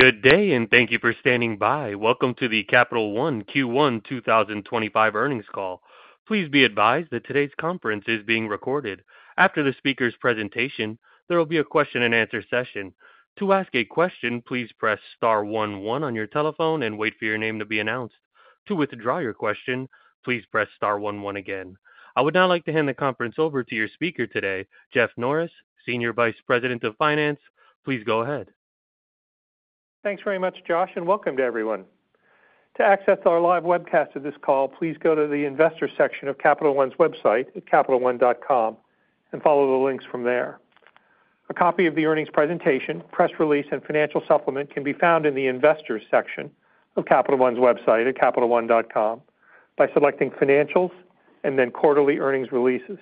Good day and thank you for standing by. Welcome to the Capital One Q1 2025 earnings call. Please be advised that today's conference is being recorded. After the speaker's presentation, there will be a question and answer session. To ask a question, please press star one one on your telephone and wait for your name to be announced. To withdraw your question, please press star one one again. I would now like to hand the conference over to your speaker today, Jeff Norris, Senior Vice President of Finance. Please go ahead. Thanks very much, Josh, and welcome to everyone. To access our live webcast of this call, please go to the Investor section of Capital One's website at capitalone.com and follow the links from there. A copy of the earnings presentation, press release, and financial supplement can be found in the Investors section of Capital One's website at capitalone.com by selecting Financials and then quarterly earnings releases.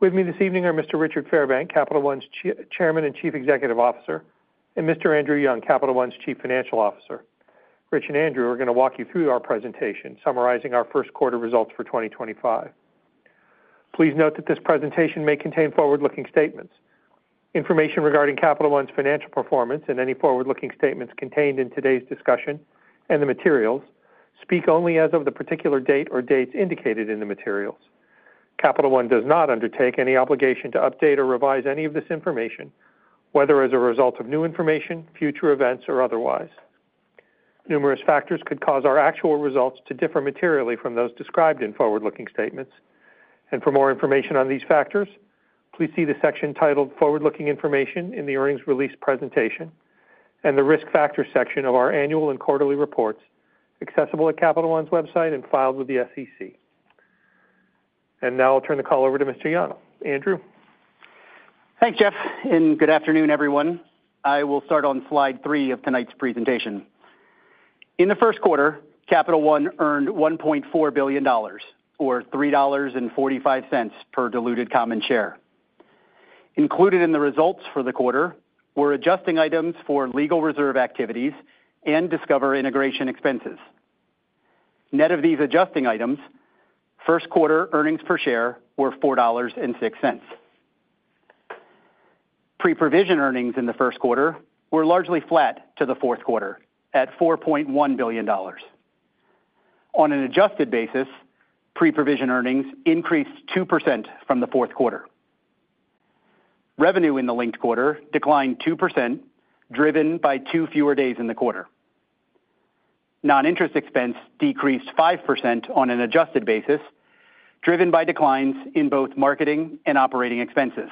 With me this evening are Mr. Richard Fairbank, Capital One's Chairman and Chief Executive Officer, and Mr. Andrew Young, Capital One's Chief Financial Officer. Rich and Andrew are going to walk you through our presentation summarizing our first quarter results for 2025. Please note that this presentation may contain forward-looking statements, information regarding Capital One's financial performance, and any forward-looking statements contained in today's discussion and the materials speak only as of the particular date or dates indicated in the materials. Capital One does not undertake any obligation to update or revise any of this information, whether as a result of new information, future events or otherwise. Numerous factors could cause our actual results to differ materially from those described in forward looking statements. For more information on these factors, please see the section titled Forward Looking Information in the earnings release presentation and the Risk Factors section of our annual and quarterly reports accessible at Capital One's website and filed with the SEC. I will now turn the call over to Mr. Andrew Young. Thanks, Jeff and good afternoon everyone. I will start on Slide three of tonight's presentation. In the first quarter, Capital One earned $1.4 billion or $3.45 per diluted common share. Included in the results for the quarter were adjusting items for legal reserve activities and Discover integration expenses. Net of these adjusting items, first quarter earnings per share were $4.06. Pre-provision earnings in the first quarter were largely flat to the fourth quarter at $4.1 billion on an adjusted basis. Pre-provision earnings increased 2% from the fourth quarter. Revenue in the linked quarter declined 2% driven by two fewer days in the quarter. Non interest expense decreased 5% on an adjusted basis driven by declines in both marketing and operating expenses.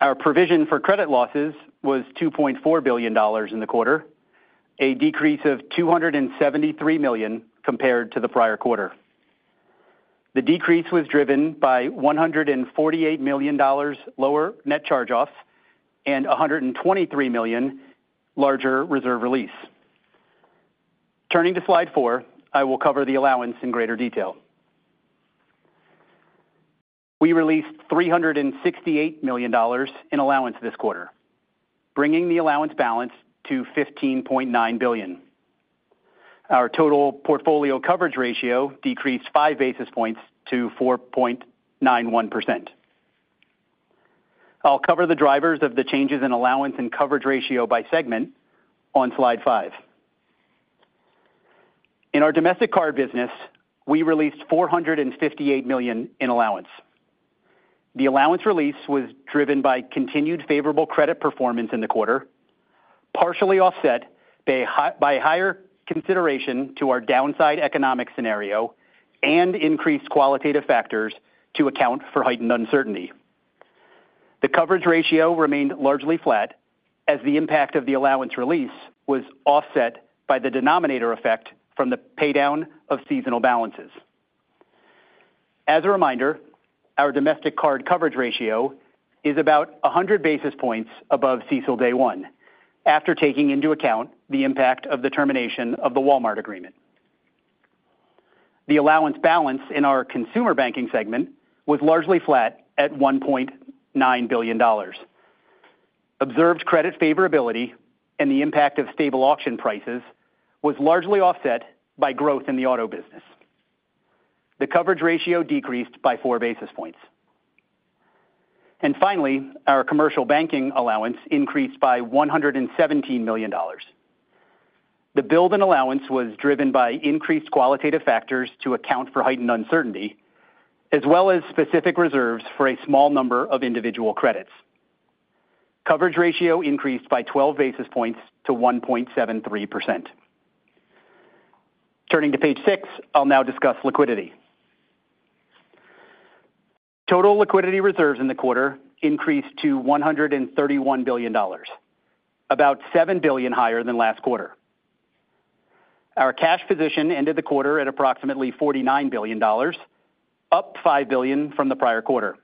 Our provision for credit losses was $2.4 billion in the quarter, a decrease of $273 million compared to the prior quarter. The decrease was driven by $148 million lower net charge-offs and $123 million larger reserve release. Turning to Slide 4, I will cover the allowance in greater detail. We released $368 million in allowance this quarter, bringing the allowance balance to $15.9 billion. Our total portfolio coverage ratio decreased 5 basis points to 4.91%. I'll cover the drivers of the changes in allowance and coverage ratio by segment on Slide 5. In our domestic card business, we released $458 million in allowance. The allowance release was driven by continued favorable credit performance in the quarter, partially offset by higher consideration to our downside economic scenario and increased qualitative factors to account for heightened uncertainty. The coverage ratio remained largely flat as the impact of the allowance release was offset by the denominator effect from the paydown of seasonal balances. As a reminder, our domestic card coverage ratio is about 100 basis points above CECL day one. After taking into account the impact of the termination of the Walmart agreement, the allowance balance in our consumer banking segment was largely flat at $1.9 billion. Observed credit favorability and the impact of stable auction prices was largely offset by growth in the auto business. The coverage ratio decreased by 4 basis points and finally, our commercial banking allowance increased by $117 million. The build in allowance was driven by increased qualitative factors to account for heightened uncertainty as well as specific reserves for a small number of individual credits. Coverage ratio increased by 12 basis points to 1.73%. Turning to page 6, I'll now discuss liquidity. Total liquidity reserves in the quarter increased to $131 billion, about $7 billion higher than last quarter. Our cash position ended the quarter at approximately $49 billion, up $5 billion from the prior quarter.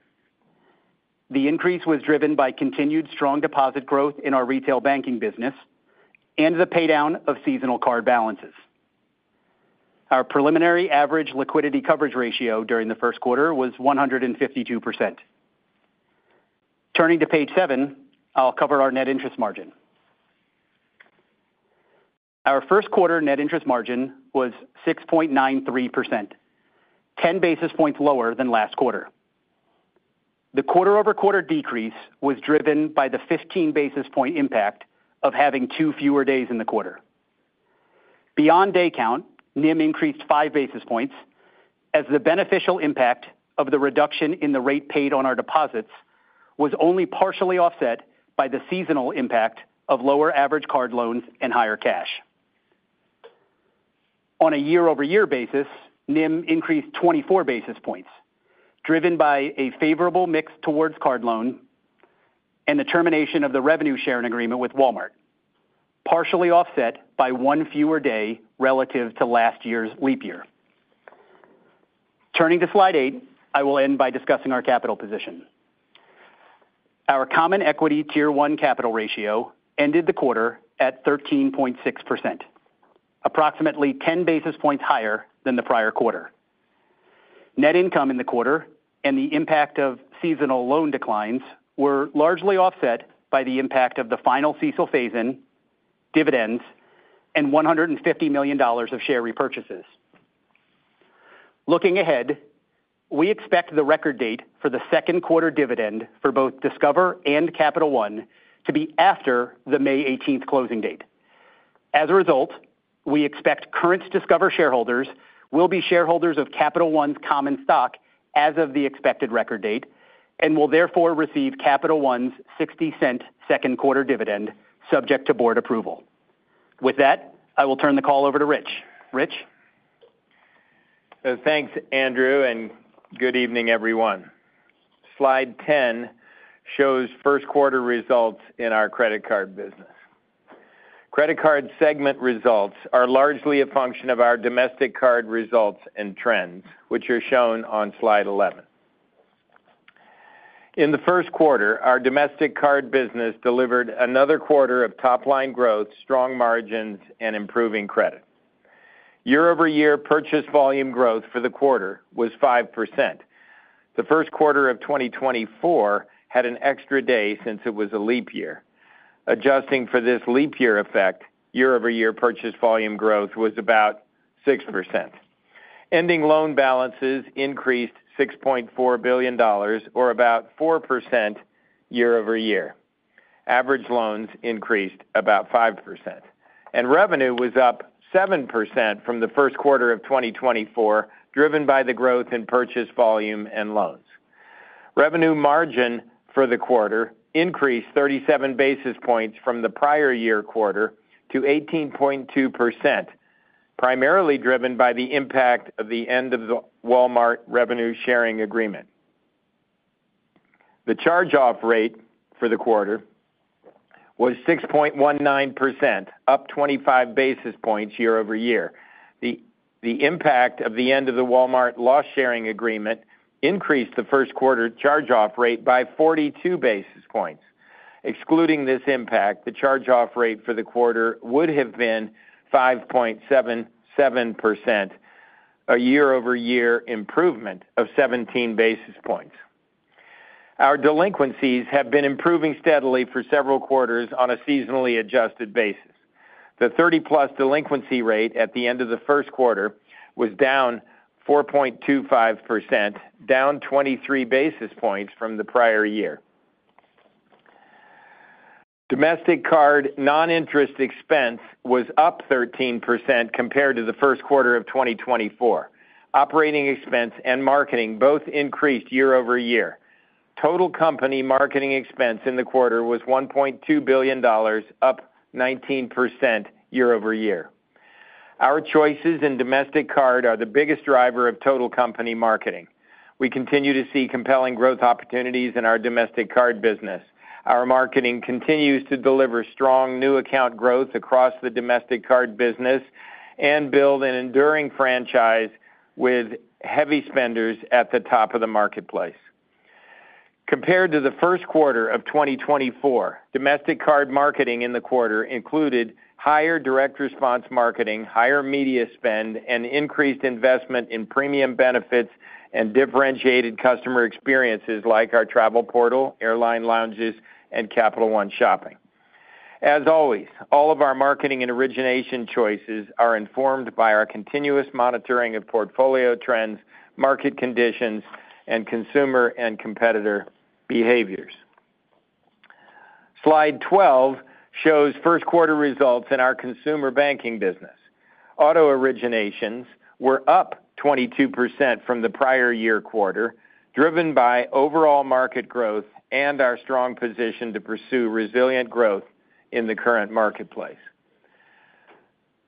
The increase was driven by continued strong deposit growth in our retail banking business and the paydown of seasonal card balances. Our preliminary average liquidity coverage ratio during the first quarter was 152%. Turning to Page seven, I'll cover our net interest margin. Our first quarter net interest margin was 6.93%, 10 basis points lower than last quarter. The quarter over quarter decrease was driven by the 15 basis point impact of having two fewer days in the quarter. Beyond day count, NIM increased five basis points as the beneficial impact of the reduction in the rate paid on our deposits was only partially offset by the seasonal impact of lower average card loans and higher cash on a year over year basis. NIM increased 24 basis points driven by a favorable mix towards card loan and the termination of the revenue sharing agreement with Walmart, partially offset by one fewer day relative to last year's leap year. Turning to slide eight, I will end by discussing our capital position. Our Common Equity Tier 1 capital ratio ended the quarter at 13.6%, approximately 10 basis points higher than the prior quarter. Net income in the quarter and the impact of seasonal loan declines were largely offset by the impact of the final CECL phase in dividends and $150 million of share repurchases. Looking ahead, we expect the record date for the second quarter dividend for both Discover and Capital One to be after the May 18 closing date. As a result, we expect current Discover shareholders will be shareholders of Capital One's common stock as of the expected record date and will therefore receive Capital One's $0.60 second quarter dividend subject to board approval. With that, I will turn the call over to Richard. Thanks Andrew and good evening everyone. Slide 10 shows first quarter results in our credit card business. Credit card segment results are largely a function of our domestic card results and trends which are shown on Slide 11. In the first quarter, our domestic card business delivered another quarter of top line growth, strong margins and improving credit year over year. Purchase volume growth for the quarter was 5%. The first quarter of 2024 had an extra day since it was a leap year. Adjusting for this leap year effect year over year, purchase volume growth was about 6%. Ending loan balances increased $6.4 billion or about 4% year over year. Average loans increased about 5% and revenue was up 7% from the first quarter of 2024 driven by the growth in purchase volume and loans. Revenue margin for the quarter increased 37 basis points from the prior year quarter to 18.2% primarily driven by the impact of the end of the Walmart revenue sharing agreement. The charge off rate for the quarter was 6.19%, up 25 basis points year over year. The impact of the end of the Walmart loss sharing agreement increased the first quarter charge off rate by 42 basis points. Excluding this impact, the charge off rate for the quarter would have been 5.77%, a year over year improvement of 17 basis points. Our delinquencies have been improving steadily for several quarters. On a seasonally adjusted basis, the 30 plus delinquency rate at the end of the first quarter was down 4.25%, down 23 basis points from the prior year. Domestic card non interest expense was up 13% compared to the first quarter of 2024. Operating expense and marketing both increased year over year. Total company marketing expense in the quarter was $1.2 billion, up 19% year over year. Our choices in domestic card are the biggest driver of total company marketing. We continue to see compelling growth opportunities in our domestic card business. Our marketing continues to deliver strong new account growth across the domestic card business and build an enduring franchise with heavy spenders at the top of the marketplace. Compared to the first quarter of 2024, domestic card marketing in the quarter included higher direct response marketing, higher media spend and increased investment in premium benefits and differentiated customer experiences like our travel portal, airline lounges and Capital One Shopping. As always, all of our marketing and origination choices are informed by our continuous monitoring of portfolio trends, market conditions and consumer and competitor behaviors. Slide 12 shows first quarter results in our consumer banking business. Auto originations were up 22% from the prior year quarter driven by overall market growth and our strong position to pursue resilient growth in the current marketplace.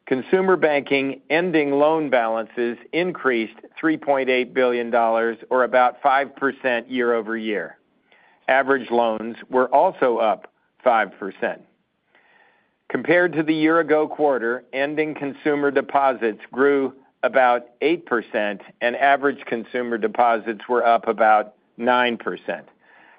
Consumer banking ending loan balances increased $3.8 billion or about 5% year over year. Average loans were also up 5% compared to the year ago. Quarter ending consumer deposits grew about 8% and average consumer deposits were up about 9%.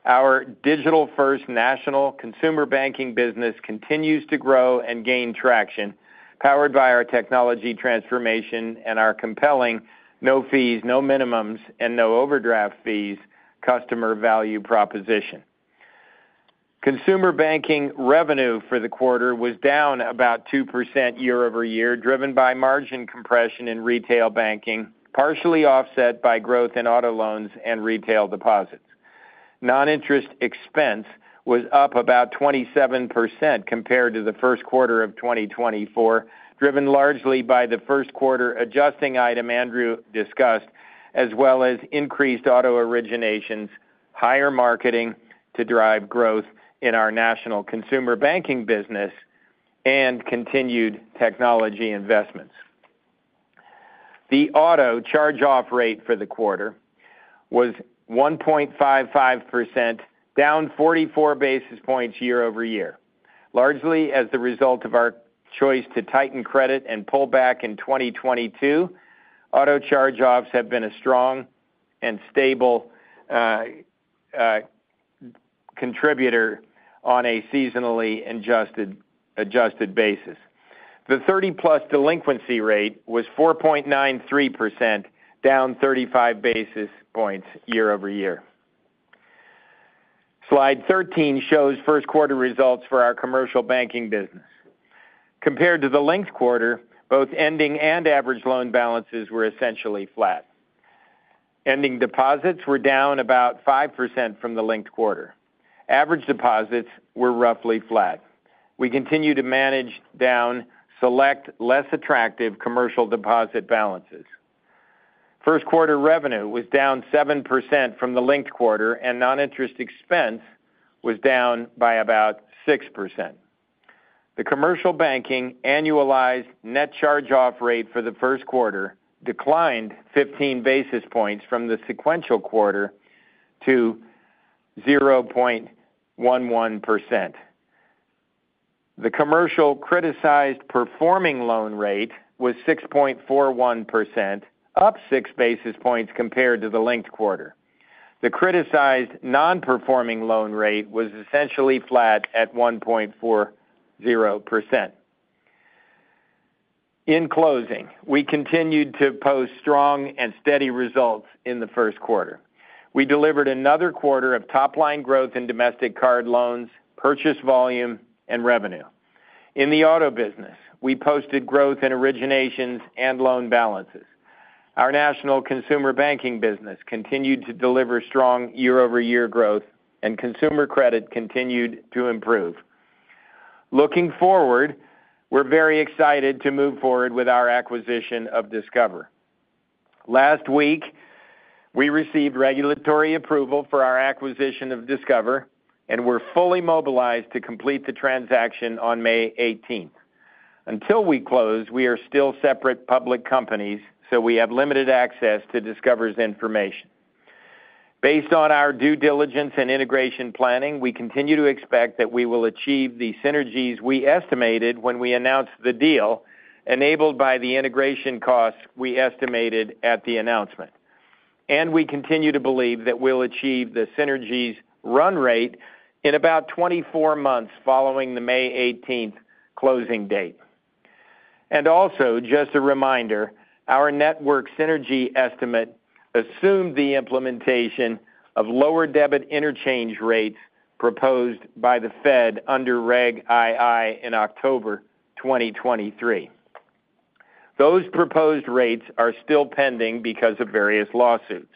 Our digital first national consumer banking business continues to grow and gain traction powered by our technology transformation and our compelling no fees, no minimums and no overdraft fees customer value proposition. Consumer banking revenue for the quarter was down about 2% year over year driven by margin compression in retail banking partially offset by growth in auto loans and retail deposits. Non interest expense was up about 27% compared to the first quarter of 2024, driven largely by the first quarter adjusting item Andrew discussed as well as increased auto originations, higher marketing to drive growth in our national consumer banking business, and continued technology investments. The auto charge off rate for the quarter was 1.55%, down 44 basis points year over year, largely as the result of our choice to tighten credit and pull back in 2022. Auto charge offs have been a strong and stable contributor on a seasonally adjusted basis. The 30 plus delinquency rate was 4.93%, down 35 basis points year over year. Slide 13 shows first quarter results for our commercial banking business. Compared to the linked quarter, both ending and average loan balances were essentially flat. Ending deposits were down about 5% from the linked quarter. Average deposits were roughly flat. We continue to manage down select less attractive commercial deposit balances. First quarter revenue was down 7% from the linked quarter and non-interest expense was down by about 6%. The commercial banking annualized net charge-off rate for the first quarter declined 15 basis points from the sequential quarter to 0.11%. The commercial criticized performing loan rate was 6.41%, up six basis points compared to the linked quarter. The criticized non-performing loan rate was essentially flat at 1.40%. In closing, we continued to post strong and steady results and in the first quarter we delivered another quarter of top line growth in domestic card loans, purchase volume and revenue. In the auto business, we posted growth in originations and loan balances. Our national consumer banking business continued to deliver strong year-over-year growth and consumer credit continued to improve. Looking forward, we're very excited to move forward with our acquisition of Discover. Last week we received regulatory approval for our acquisition of Discover and were fully mobilized to complete the transaction on May 18. Until we close, we are still separate public companies, so we have limited access to Discover's information. Based on our due diligence and integration planning, we continue to expect that we will achieve the synergies we estimated when we announced the deal enabled by the integration costs we estimated at the announcement. We continue to believe that we'll achieve the synergies run rate in about 24 months following the May 18 closing date. Also, just a reminder, our network synergy estimate assumed the implementation of lower debit interchange rates proposed by the Federal Reserve under Regulation II in October 2023. Those proposed rates are still pending because of various lawsuits.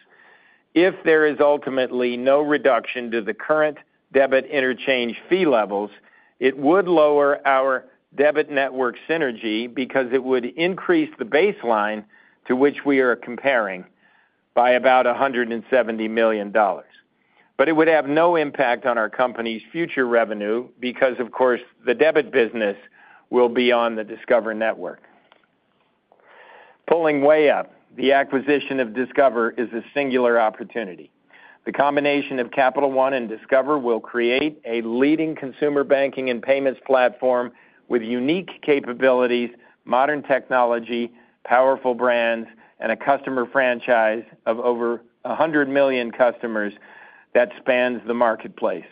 If there is ultimately no reduction to the current debit interchange fee levels, it would lower our debit network synergy because it would increase the baseline to which we are comparing by about $170 million. It would have no impact on our company's future revenue because, of course, the debit business will be on the Discover Network. Pulling way up, the acquisition of Discover is a singular opportunity. The combination of Capital One and Discover will create a leading consumer banking and payments platform with unique capabilities, modern technology, powerful brands, and a customer franchise of over 100 million customers that spans the marketplace.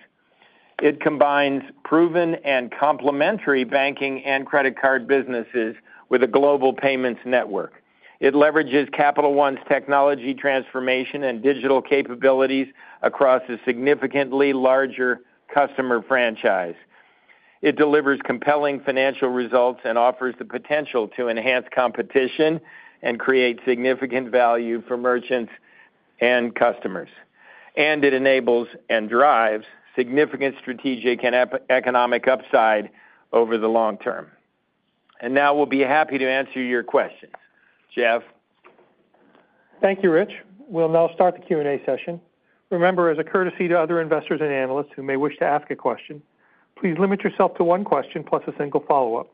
It combines proven and complementary banking and credit card businesses with a global payments network. It leverages Capital One's technology transformation and digital capabilities across a significantly larger customer franchise. It delivers compelling financial results and offers the potential to enhance competition and create significant value for merchants, customers, and it enables and drives significant strategic and economic upside over the long term. We will be happy to answer your questions, Jeff. Thank you, Rich. We'll now start the Q&A session. Remember, as a courtesy to other investors and analysts who may wish to ask a question, please limit yourself to one question plus a single follow up.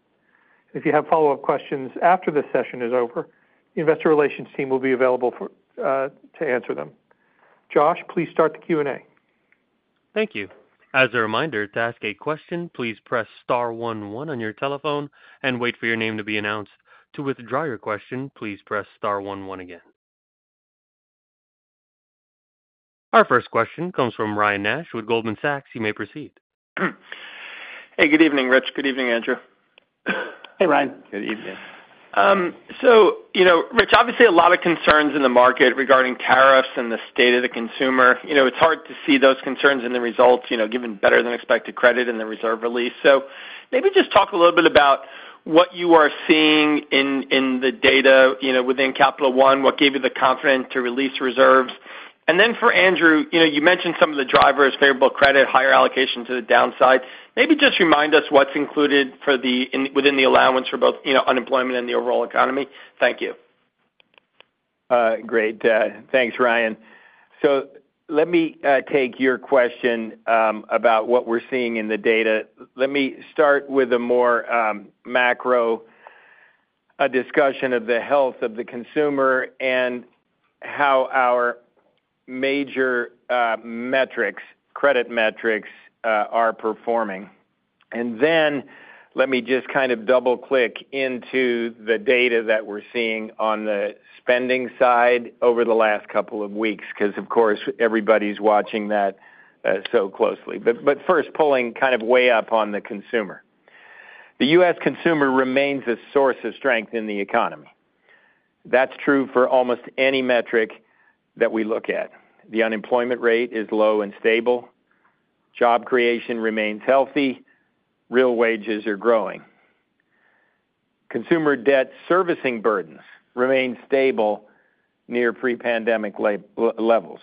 If you have follow up questions after the session is over, the investor relations team will be available to answer them. Josh, please start the Q&A. Thank you. As a reminder to ask a question, please press star one one on your telephone and wait for your name to be announced. To withdraw your question, please press star one one again. Our first question comes from Ryan Nash with Goldman Sachs. You may proceed. Hey, good evening, Rich. Good evening, Andrew. Hey, Ryan. Good evening. Rich, obviously a lot of concerns in the market regarding tariffs and the state of the consumer. It's hard to see those concerns in the results given better than expected credit in the reserve release. Maybe just talk a little bit about what you are seeing in the data within Capital One, what gave you the confidence to release reserves? For Andrew, you mentioned some of the drivers, favorable credit, higher allocation to the downside. Maybe just remind us what's included within the allowance for both unemployment and the overall economy. Thank you. Great. Thanks, Ryan. Let me take your question about what we're seeing in the data. Let me start with a more macro discussion of the health of the consumer and how our major metrics, credit metrics, are performing. Let me just kind of double click into the data that we're seeing on the spending side over the last couple of weeks because of course, everybody's watching that so closely. First, pulling kind of way up on the consumer. The U.S. consumer remains a source of strength in the economy. That's true for almost any metric that we look at. The unemployment rate is low and stable. Job creation remains healthy. Real wages are growing, consumer debt servicing burdens remain stable near pre-pandemic levels.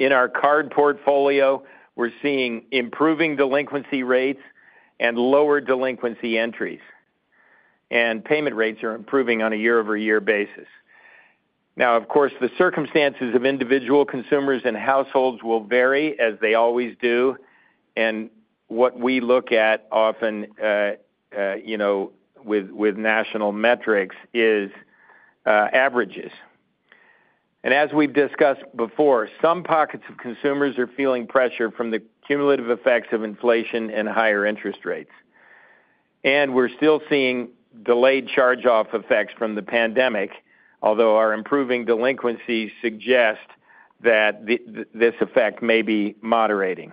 In our card portfolio, we're seeing improving delinquency rates and lower delinquency entries and payment rates are improving on a year-over-year basis. Of course, the circumstances of individual consumers and households will vary as they always do. What we look at often, you know, with national metrics is averages. As we've discussed before, some pockets of consumers are feeling pressure from the cumulative effects of inflation and higher interest rates. We're still seeing delayed charge off effects from the pandemic, although our improving delinquencies suggest that this effect may be moderating.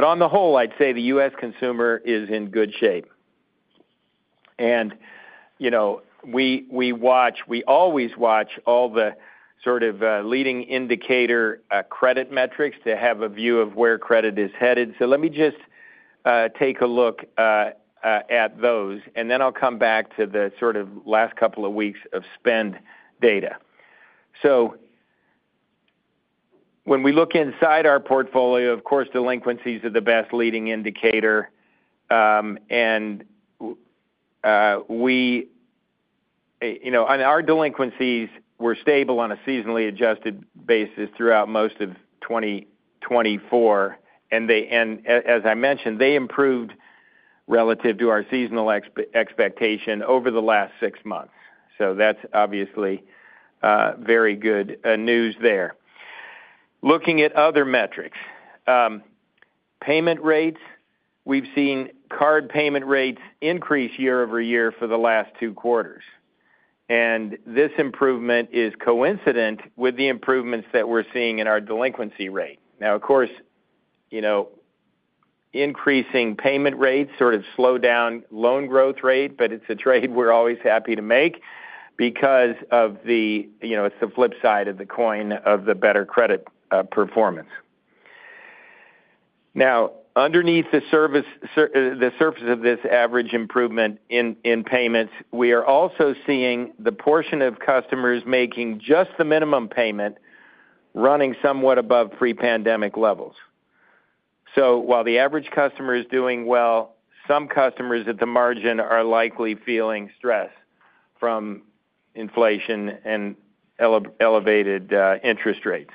On the whole, I'd say the U.S. consumer is in good shape. You know, we always watch all the sort of leading indicator credit metrics to have a view of where credit is headed. Let me just take a look at those and then I'll come back to the sort of last couple of weeks of spend data. So. When we look inside our portfolio, of course delinquencies are the best leading indicator and we, you know, our delinquencies were stable on a seasonally adjusted basis throughout most of 2024 and as I mentioned, they improved relative to our seasonal expectation over the last six months. That is obviously very good news there. Looking at other metrics, payment rates, we've seen card payment rates increase year over year for the last two quarters. This improvement is coincident with the improvements that we're seeing in our delinquency rate now of course, increasing payment rates sort of slow down loan growth rate. It is a trade we're always happy to make because of the, it's the flip side of the coin of the better credit performance. Now underneath the surface of this average improvement in payments, we are also seeing the portion of customers making just the minimum payment running somewhat above pre-pandemic levels. While the average customer is doing well, some customers at the margin are likely feeling stress from inflation and elevated interest rates.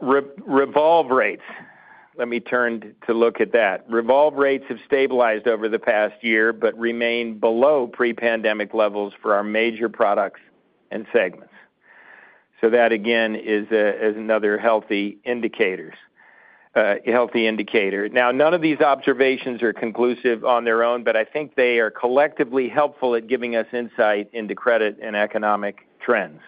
Revolve rates, let me turn to look at that. Revolve rates have stabilized over the past year but remain below pre-pandemic levels for our major product segments. That again is another healthy indicator. None of these observations are conclusive on their own, but I think they are collectively helpful at giving us insight into credit and economic trends.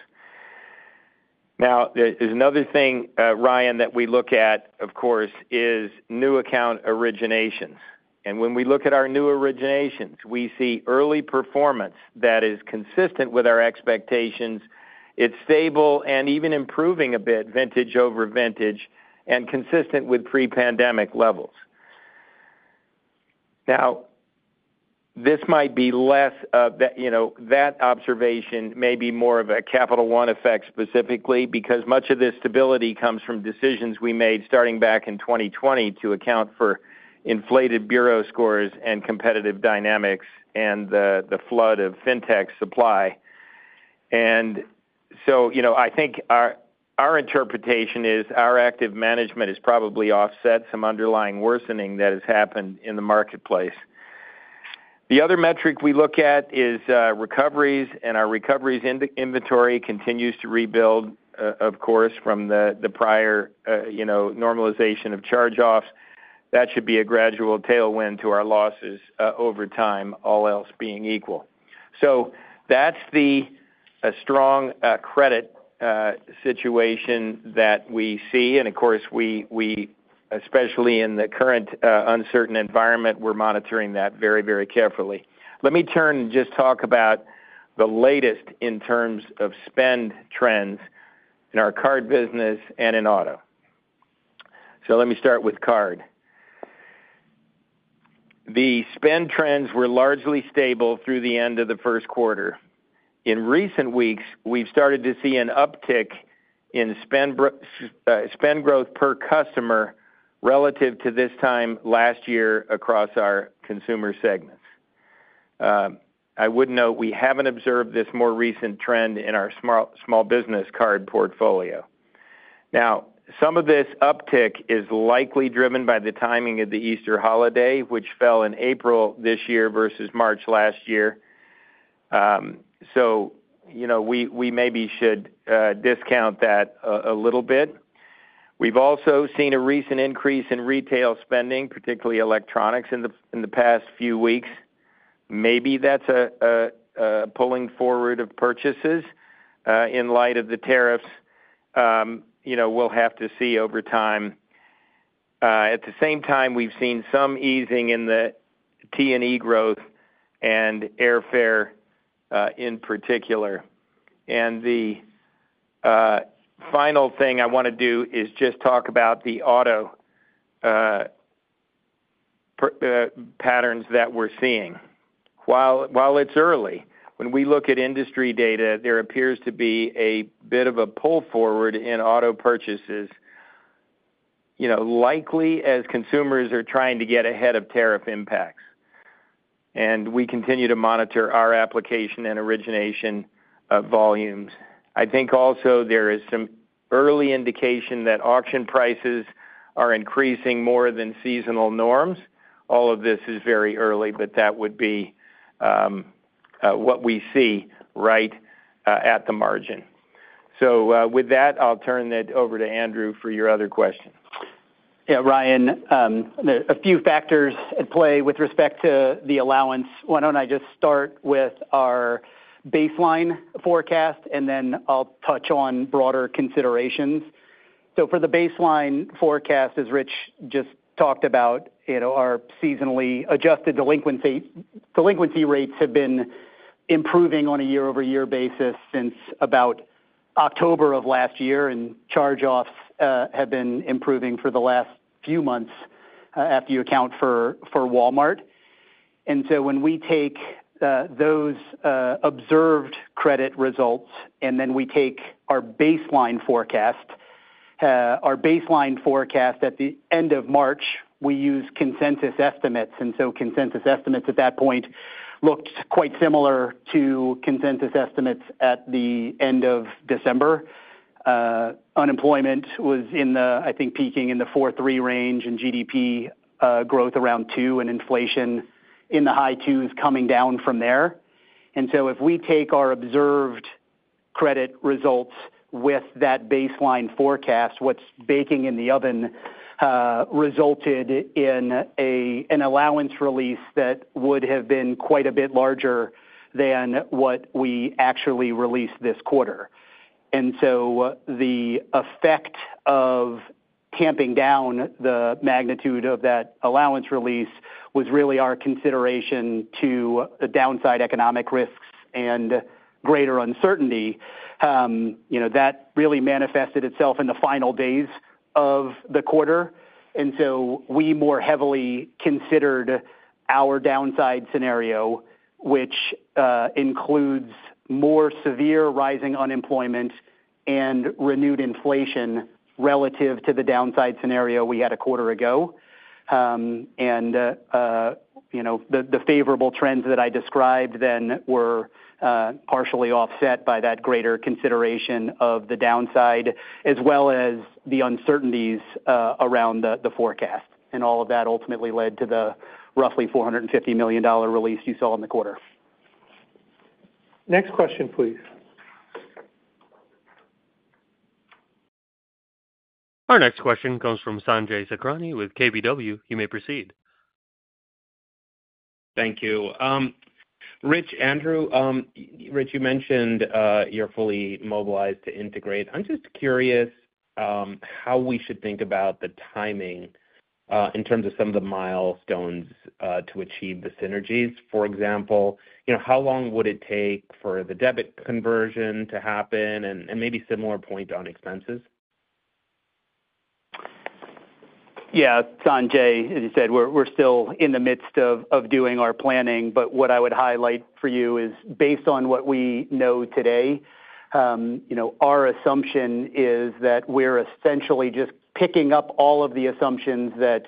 There is another thing, Ryan, that we look at of course, which is new account originations. When we look at our new originations, we see early performance that is consistent with our expectations. is stable and even improving a bit, vintage over vintage and consistent with pre-pandemic levels. Now this might be less, you know, that observation may be more of a Capital One effect specifically because much of this stability comes from decisions we made starting back in 2020 to account for inflated bureau scores and competitive dynamics and the flood of fintech supply. And so, you know, I think our interpretation is our active management has probably offset some underlying worsening that has happened in the marketplace. The other metric we look at is recoveries. And our recoveries inventory continues to rebuild, of course, from the prior normalization of charge-offs. That should be a gradual tailwind to our losses over time, all else being equal. That is the strong credit situation that we see. Of course we especially in the current uncertain environment, we're monitoring that very, very carefully. Let me turn and just talk about the latest in terms of spend trends in our card business and in auto. Let me start with card. The spend trends were largely stable through the end of the first quarter. In recent weeks, we've started to see an uptick in spend growth per customer relative to this time last year across our consumer segments. I would note we haven't observed this more recent trend in our small business card portfolio. Now some of this uptick is likely driven by the timing of the Easter holiday, which fell in April this year versus March last year. You know, we maybe should discount that a little bit. We've also seen a recent increase in retail spending, particularly electronics, in the past few weeks. Maybe that's pulling forward of purchases in light of the tariffs. We'll have to see over time. At the same time, we've seen some easing in the T&E growth and airfare in particular. The final thing I want to do is just talk about the auto patterns that we're seeing. While it's early, when we look at industry data, there appears to be a bit of a pull forward in auto purchases, you know, likely as consumers are trying to get ahead of tariff impacts and we continue to monitor our application and origination volumes. I think also there is some early indication that auction prices are increasing more than seasonal norms. All of this is very early, but that would be what we see right at the margin. With that, I'll turn it over to Andrew for your other question. Ryan, a few factors at play with respect to the allowance. Why don't I just start with our baseline forecast and then I'll touch on broader considerations. For the baseline forecast, as Rich just talked about, our seasonally adjusted delinquency rates have been improving on a year-over-year basis since about October of last year and charge-offs have been improving for the last few months after you account for Walmart. When we take those observed credit results and then we take our baseline forecast, our baseline forecast at the end of March, we use consensus estimates. Consensus estimates at that point looked quite similar to consensus estimates at the end of December. Unemployment was in the, I think peaking in the 4-3 range and GDP growth around 2% and inflation in the high two's coming down from there. If we take our observed credit results with that baseline forecast, what's baking in the oven resulted in an allowance release that would have been quite a bit larger than what we actually released this quarter. The effect of tamping down the magnitude of that allowance release was really our consideration to the downside, economic risks and greater uncertainty. You know, that really manifested itself in the final days of the quarter. We more heavily considered our downside scenario, which includes more severe rising unemployment and renewed inflation relative to the downside scenario we had a quarter ago. The favorable trends that I described then were partially offset by that greater consideration of the downside, as well as the uncertainties around the forecast. All of that ultimately led to the roughly $450 million release you saw in the quarter. Next question, please. Our next question comes from Sanjay Sakhrani with KBW. You may proceed. Thank you, Rich. Andrew. Rich, you mentioned you're fully mobilized to integrate. I'm just curious how we should think about the timing in terms of some of the milestones to achieve the synergies. For example, how long would it take for the debit conversion to happen and maybe similar point on expenses. Yes, Sanjay, as you said, we're still in the midst of doing our planning. What I would highlight for you is, based on what we know today, our assumption is that we're essentially just picking up all of the assumptions that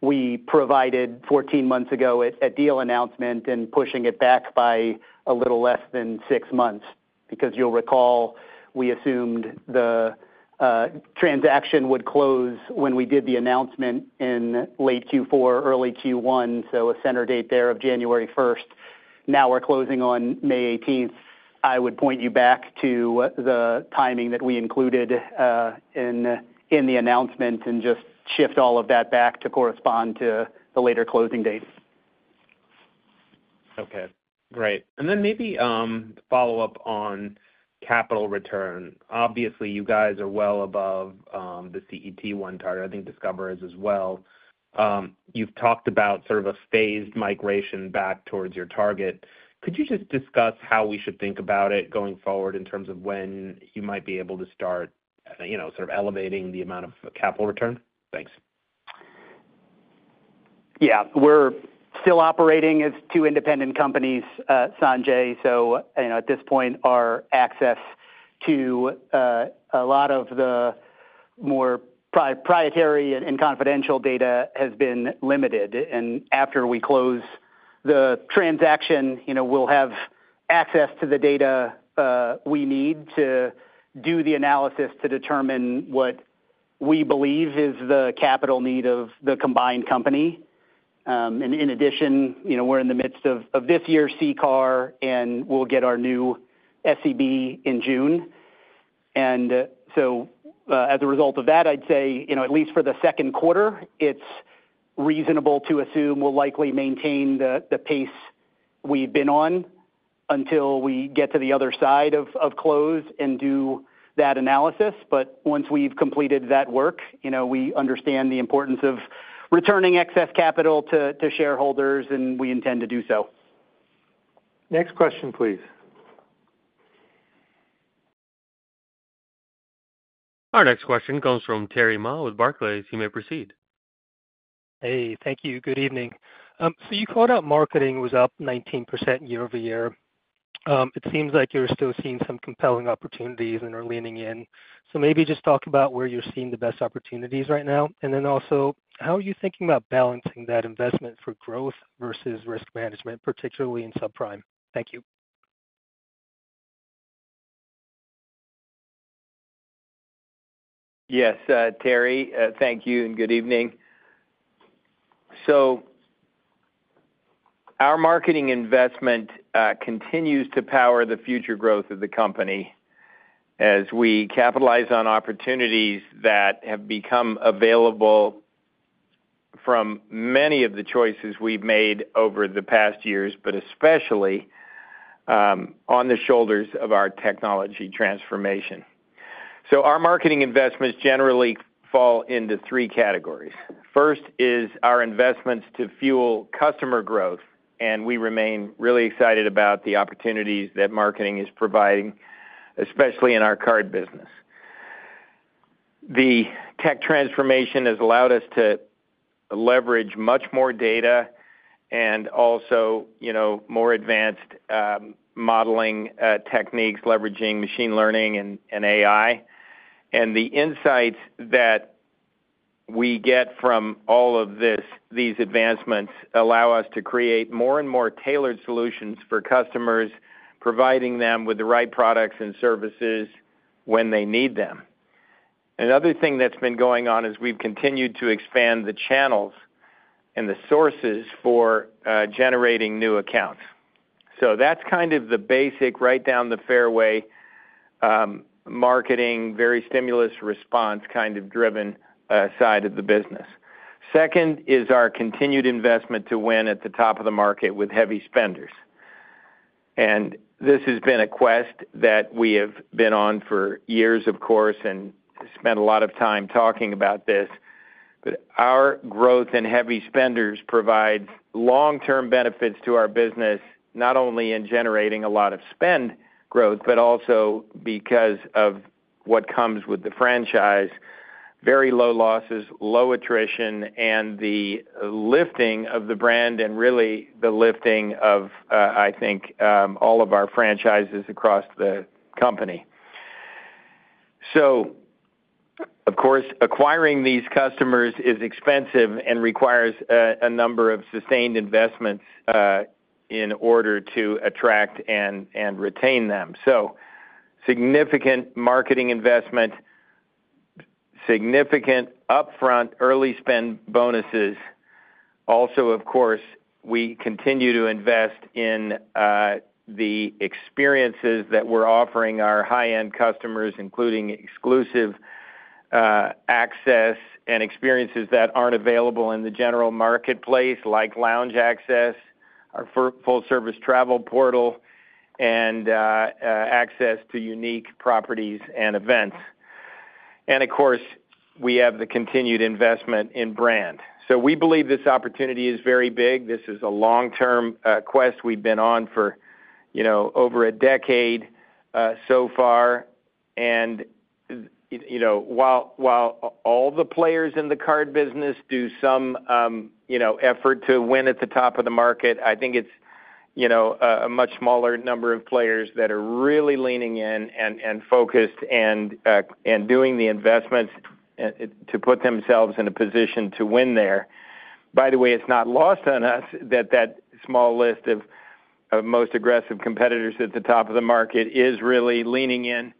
we provided 14 months ago at deal announcement and pushing it back by a little less than six months. You will recall, we assumed the transaction would close when we did the announcement in late Q4, early Q1, so a center date there of January 1. Now we're closing on May 18. I would point you back to the timing that we included in the announcement and just shift all of that back to correspond to the later closing date. Okay, great. Maybe follow up on capital return. Obviously, you guys are well above the CET1 target. I think Discover is as well. You have talked about sort of a phased migration back towards your target. Could you just discuss how we should. Think about it going forward in terms of when you might be able to start sort of elevating the amount of capital return. Thanks. Yeah. We're still operating as two independent companies, Sanjay. At this point, our access to a lot of the more proprietary and confidential data has been limited. After we close the transaction, we'll have access to the data. We need to do the analysis to determine what we believe is the capital need of the combined company. In addition, we're in the midst of this year's CCAR and we'll get our new SEB in June. As a result of that, I'd say at least for the second quarter, it's reasonable to assume we'll likely maintain the pace we've been on until we get to the other side of close and do that analysis. Once we've completed that work, we understand the importance of returning excess capital to shareholders and we intend to do so. Next question, please. Our next question comes from Terry Ma with Barclays. You may proceed. Hey, thank you. Good evening. You called out marketing was up 19% year over year. It seems like you're still seeing some compelling opportunities and are leaning in. Maybe just talk about where you're seeing the best opportunities right now. Also, how are you thinking about balancing that investment for growth versus risk management, particularly in subprime? Thank you. Yes, Terry, thank you and good evening. So. Our marketing investment continues to power the future growth of the company as we capitalize on opportunities that have become available from many of the choices we've made over the past years, especially on the shoulders of our technology transformation. Our marketing investments generally fall into three categories. First is our investments to fuel customer growth. We remain really excited about the opportunities that marketing is providing, especially in our card business. The tech transformation has allowed us to leverage much more data and also more advanced modeling techniques, leveraging machine learning and AI. The insights that we get from all of these advancements allow us to create more and more tailored solutions for customers, providing them with the right products and services when they need them. Another thing that's been going on is we've continued to expand the channels and the sources for generating new accounts. That's kind of the basic, right down the fairway marketing, very stimulus response, kind of driven side of the business. Second is our continued investment to win at the top of the market with heavy spenders. This has been a quest that we have been on for years of course, and spent a lot of time talking about this. Our growth in heavy spenders provides long term benefits to our business, not only in generating a lot of spend growth, but also because of what comes with the franchise. Very low losses, low attrition and the lifting of the brand and really the lifting of, I think, all of our franchises across the company. Of course acquiring these customers is expensive and requires a number of sustained investments in order to attract and retain them. Significant marketing investment, significant upfront early spend bonuses. Also, of course, we continue to invest in the experiences that we're offering our high end customers, including exclusive access and experiences that aren't available in the general marketplace, like lounge access, our full service travel portal, and access to unique properties and events. Of course we have the continued investment in brand. We believe this opportunity is very big. This is a long term quest we've been on for over a decade so far. While all the players in the card business do some, you know, effort to win at the top of the market, I think it's, you know, a much smaller number of players that are really leaning in and focused and doing the investments to put themselves in a position to win there. By the way, it's not lost on us that that small list of most aggressive competitors at the top of the market is really leaning in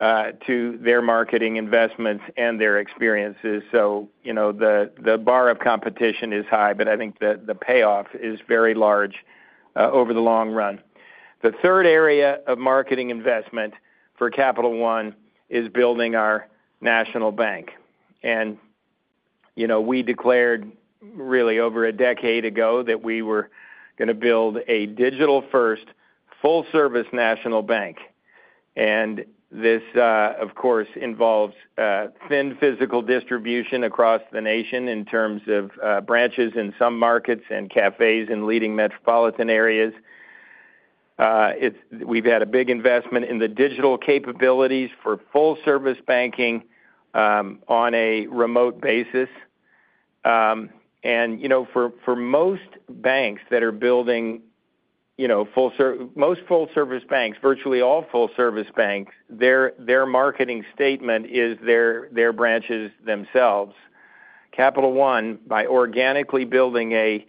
to their marketing investments and their experiences. You know, the bar of competition is high, but I think that the payoff is very large over the long run. The third area of marketing investment for Capital One is building our national bank. You know, we declared really over a decade ago that we were going to build a digital first full service national bank. This of course involves thin physical distribution across the nation in terms of brand in some markets and cafes in leading metropolitan areas. We have had a big investment in the digital capabilities for full service banking on a remote basis. You know, for most banks that are building, you know, most full service banks, virtually all full service banks, their marketing statement is their branches, themselves. Capital One, by organically building a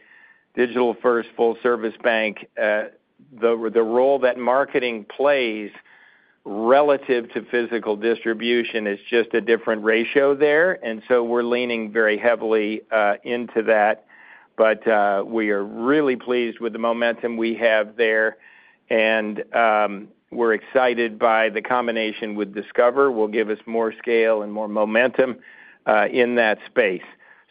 digital first full service bank, the role that marketing plays relative to physical distribution is just a different ratio there. We are leaning very heavily into that. We are really pleased with the momentum we have there and we are excited by the combination with Discover will give us more scale and more momentum in that space.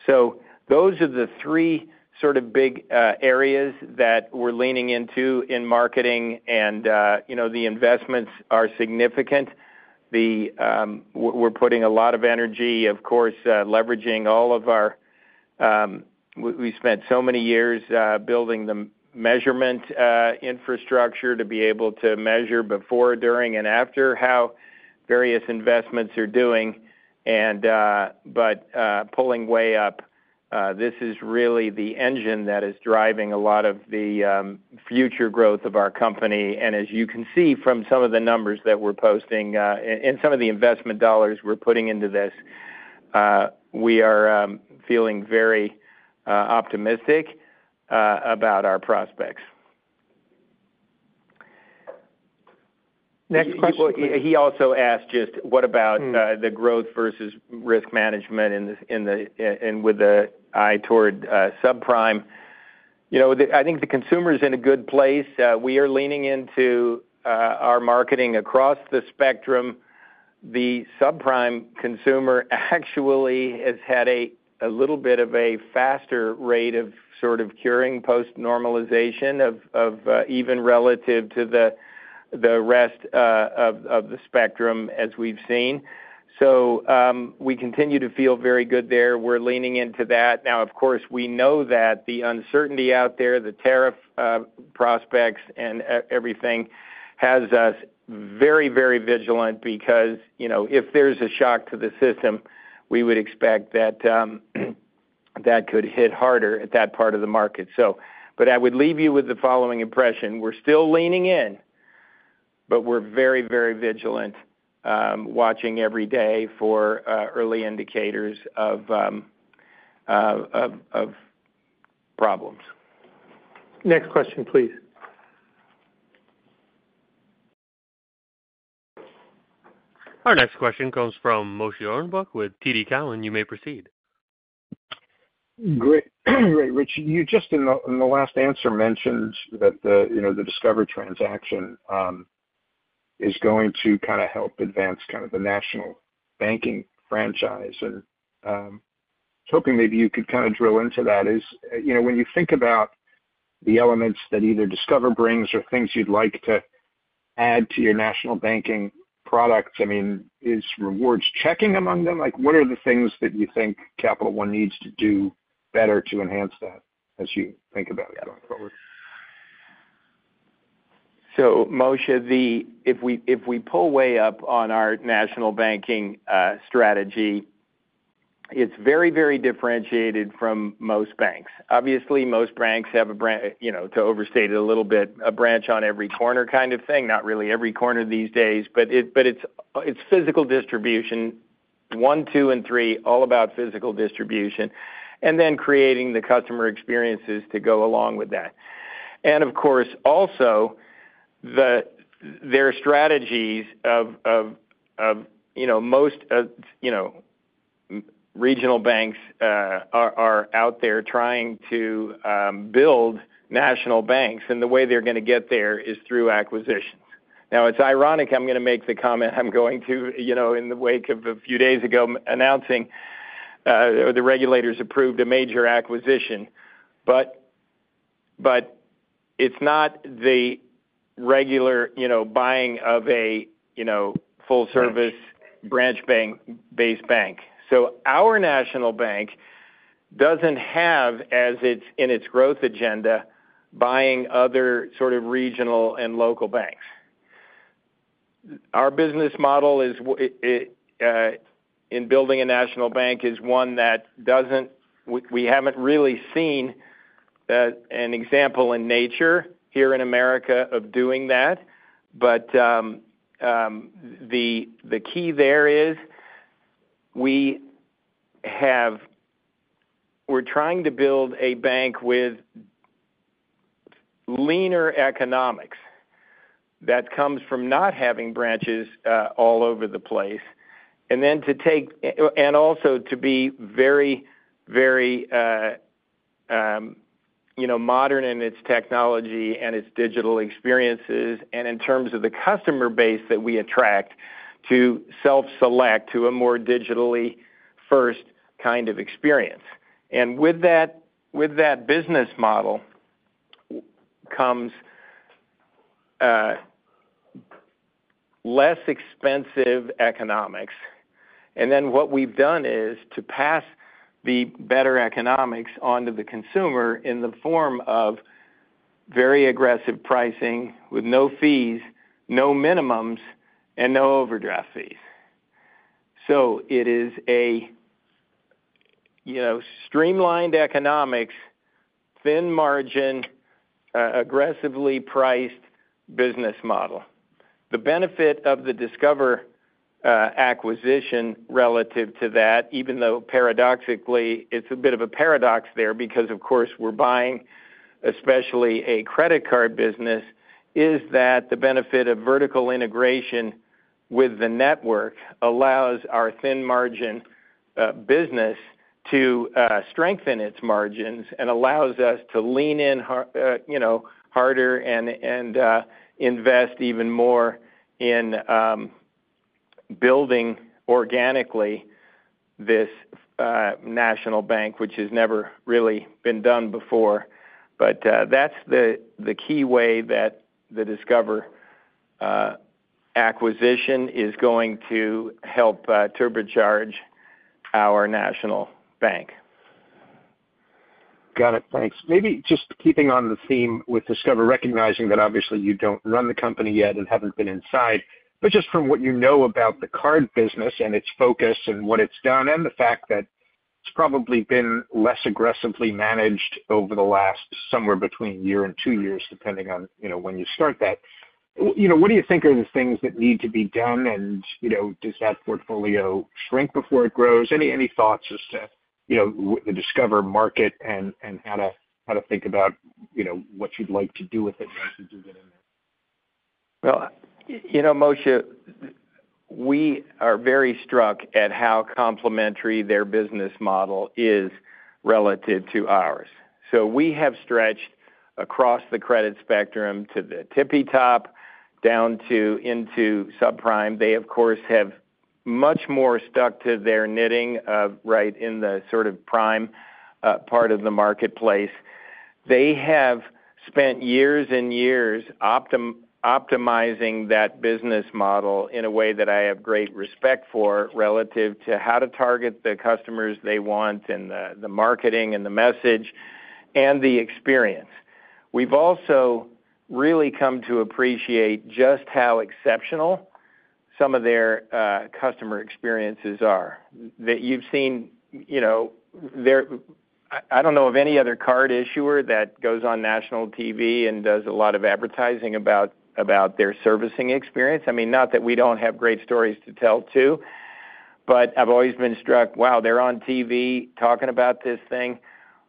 Those are the three sort of big areas that we are leaning into in marketing. You know, the investments are significant. We're putting a lot of energy, of course, leveraging all of our. We spent so many years building the measurement infrastructure to be able to measure before, during and after how various investments are doing. Pulling way up, this is really the engine that is driving a lot of the future growth of our company. As you can see from some of the numbers that we're posting and some of the investment dollars we're putting into this, we are feeling very optimistic about our prospects. Next question. He also asked just what about the growth versus risk management? And with an eye toward subprime, you know, I think the consumer is in a good place. We are leaning into our marketing across the spectrum. The subprime consumer actually has had a little bit of a faster rate of sort of curing post normalization even relative to the rest of the spectrum, as we've seen. So we continue to feel very good there. We're leaning into that now of course we know that the uncertainty out there, the tariff prospects and everything has us very, very vigilant because if there's a shock to the system, we would expect that that could hit harder at that part of the market. I would leave you with the following impression. We're still leaning in, but we're very, very vigilant, watching every day for early indicators of problems. Next. Our next question comes from Moshe Orenbuch with TD Cowen. You may proceed. Great. Rich, you just in the last answer mentioned that the Discover transaction is going to kind of help advance kind of the national banking franchise. Hoping maybe you could kind of drill into that. Is, you know, when you think about the elements that either Discover brings or things you'd like to add to your national banking products, I mean is rewards checking among them. Like what are the things that you think Capital One needs to do better to enhance that as you think about it going forward? Moshe, if we pull way up on our national banking strategy, it's very, very differentiated from most banks. Obviously most banks have a branch, to overstate it a little bit, a branch on every corner kind of thing. Not really every corner, these, but it's physical distribution, one, two and three, all about physical distribution and then creating the customer experiences to go along with that and of course also their strategies. Most. Regional banks are out there trying to build national banks and the way they're going to get there is through acquisitions. Now it's ironic I'm going to make the comment I'm going to in the wake of a few days ago announcing the regulators approved a major acquisition, but it's not the regular buying of a full service branch based bank. Our national bank doesn't have in its growth agenda buying other sort of regional and local banks. Our business model in building a national bank is one that doesn't. We haven't really seen an example in nature here in America of doing that. The key there is we have, we're trying to build a bank with leaner economics that comes from not having branches all over the place and to be very, very modern in its technology and its digital experiences and in terms of the customer base that we attract to self select to a more digitally first kind of experience. With that business model comes less expensive economics. What we've done is to pass the better economics on to the consumer in the form of very aggressive pricing with no fees, no minimums and no overdraft fees. It is a streamlined economics, thin margin, aggressively priced business model. The benefit of the Discover acquisition relative to that, even though paradoxically it's a bit of a paradox there, because of course we're buying, especially a credit card business, is that the benefit of vertical integration with the network allows our thin margin business to strengthen its margins and allows us to lean in harder and invest even more in building organically this national bank, which has never really been done before. That is the key way that the Discover acquisition is going to help turbocharge our national bank. Got it, thanks. Maybe just keeping on the theme with Discover, recognizing that obviously you do not run. The company yet and haven't been inside. Just from what you know about the card business and its focus and what it's done, and the fact that. Probably been less aggressively managed over the. Last somewhere between a year and two years depending on when you start that, what do you think are the things that need to be done and does that portfolio shrink before it grows? Any thoughts as to the Discover market and how to think about what you'd like to do with it? Moshe, we are very struck at how complementary their business model is relative to ours. We have stretched across the credit spectrum to the tippy top down to into subprime. They of course have much more stuck to their knitting right in the sort of prime part of the marketplace. They have spent years and years optimizing that business model in a way that I have great respect for relative to how to target the customers they want and the marketing and the message and the experience. We've also really come to appreciate just how exceptional some of their customer experiences are that you've seen. You know, I don't know of any other card issuer that goes on national TV and does a lot of advertising about their servicing experience. I mean, not that we don't have great stories to tell too, but I've always been struck, wow, they're on TV talking about this thing.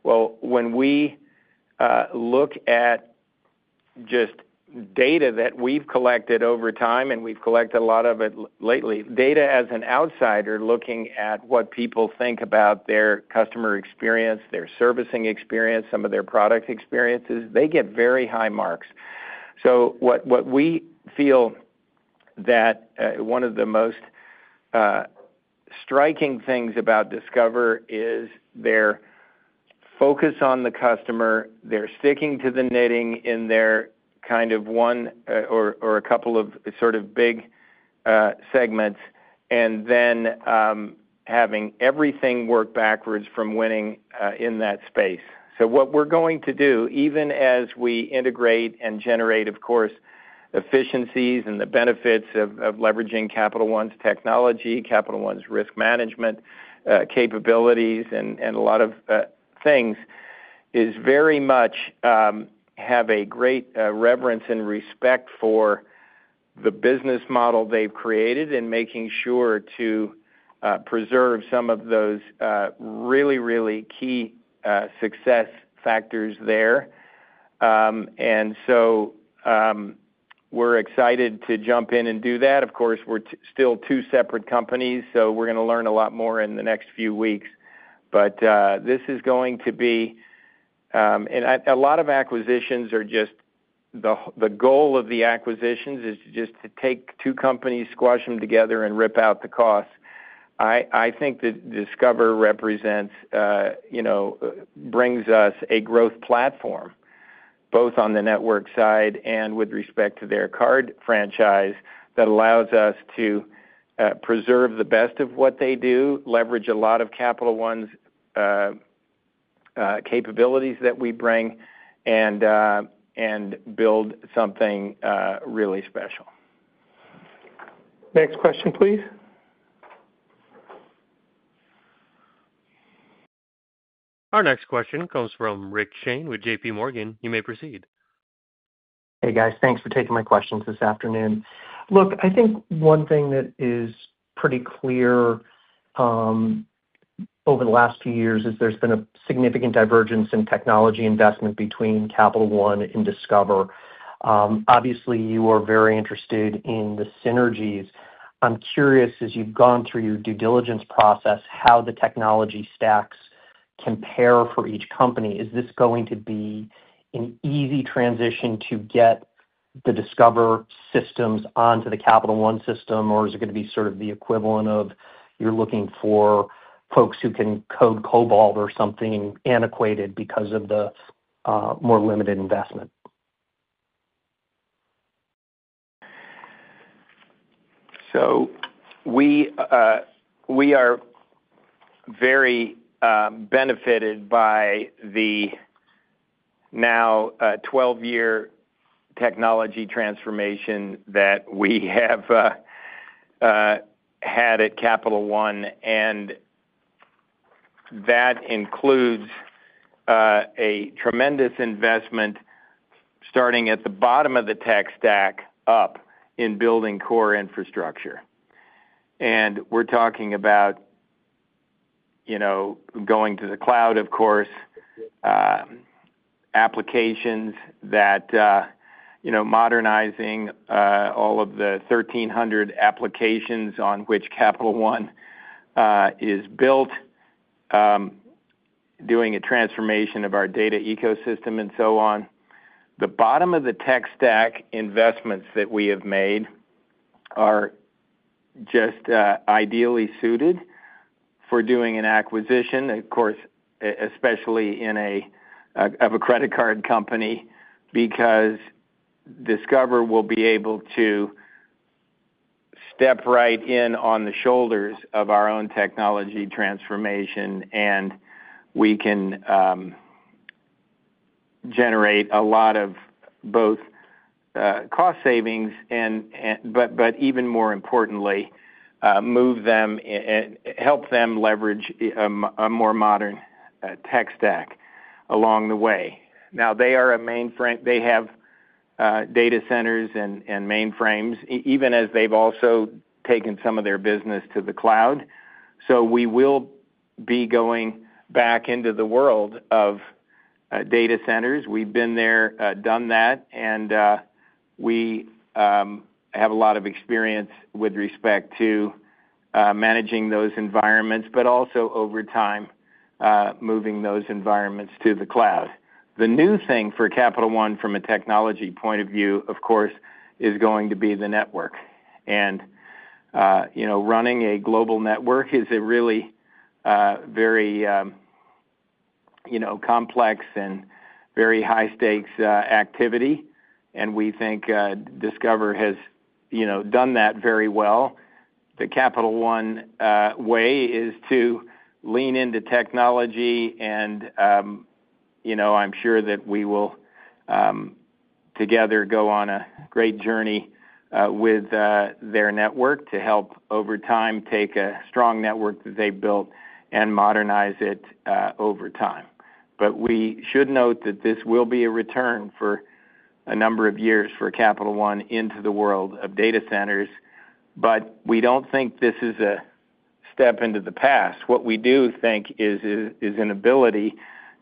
When we look at just data that we've collected over time, and we've collected a lot of it lately, data as an outsider looking at what people think about their customer experience, their servicing experience, some of their product experiences, they get very high marks. What we feel that one of the most striking things about Discover is their focus on the customer. They're sticking to the knitting in their kind of one or a couple of sort of big segments and then having everything work backwards from winning in that space. What we are going to do, even as we integrate and generate, of course, efficiencies and the benefits of leveraging Capital One's technology, Capital One's risk management capabilities and a lot of things, is very much have a great reverence and respect for the business model they have created and making sure to preserve some of those really, really key success factors there. We are excited to jump in and do that. Of course, we are still two separate companies, so we are going to learn a lot more in the next few weeks. This is going to be. A lot of acquisitions are just the goal of the acquisitions is just to take two companies, squash them together and rip out the cost. I think that Discover represents, brings us a growth platform both on the network side and with respect to their card franchise that allows us to preserve the best of what they do, leverage a lot of Capital One's capabilities that we bring, and build something really special. Next question, please. Our next question comes from Rick Singh with JPMorgan. You may proceed. Hey guys, thanks for taking my questions this afternoon. Look, I think one thing that is. Pretty clear. Over the last few years. Is there's been a significant divergence in technology investment between Capital One and Discover. Obviously you are very interested in the synergies. I'm curious, as you've gone through your due diligence process, how the technology stacks compare for each company. Is this going to be an easy transition to get the Discover systems onto the Capital One system, or is it going to be sort of the equivalent of you're looking for folks who can. Code COBOL or something antiquated because of the more limited investment. So. We are very benefited by the now 12 year technology transformation that we have had at Capital One. That includes a tremendous investment starting at the bottom of the tech stack up in building core infrastructure. We are talking about, you know, going to the cloud, of course, applications that, you know, modernizing all of the 1,300 applications on which Capital One is built, doing a transformation of our data ecosystem and so on the bottom of the tech stack. Investments that we have made are just ideally suited for doing an acquisition, of course, especially in a credit card company, because Discover will be able to step right in on the shoulders of our own technology transformation and we can generate a lot of both cost savings, but even more importantly, move them, help them leverage a more modern tech stack along the way. Now they are a mainframe. They have data centers and mainframes even as they've also taken some of their business to the cloud. We will be going back into the world of data centers. We've been there, done that, and we have a lot of experience with respect to managing those environments, but also over time moving those environments to the cloud. The new thing for Capital One from a technology point of view, of course, is going to be the network. Running a global network is a really very complex and very high stakes activity. We think Discover has done that very well. The Capital One way is to lean into technology and I'm sure that we will together go on a great journey with their network to help over time take a strong network that they built and modernize it over time. We should note that this will be a return for a number of years for Capital One into the world of data centers. We do not think this is a step into the past. What we do think is an ability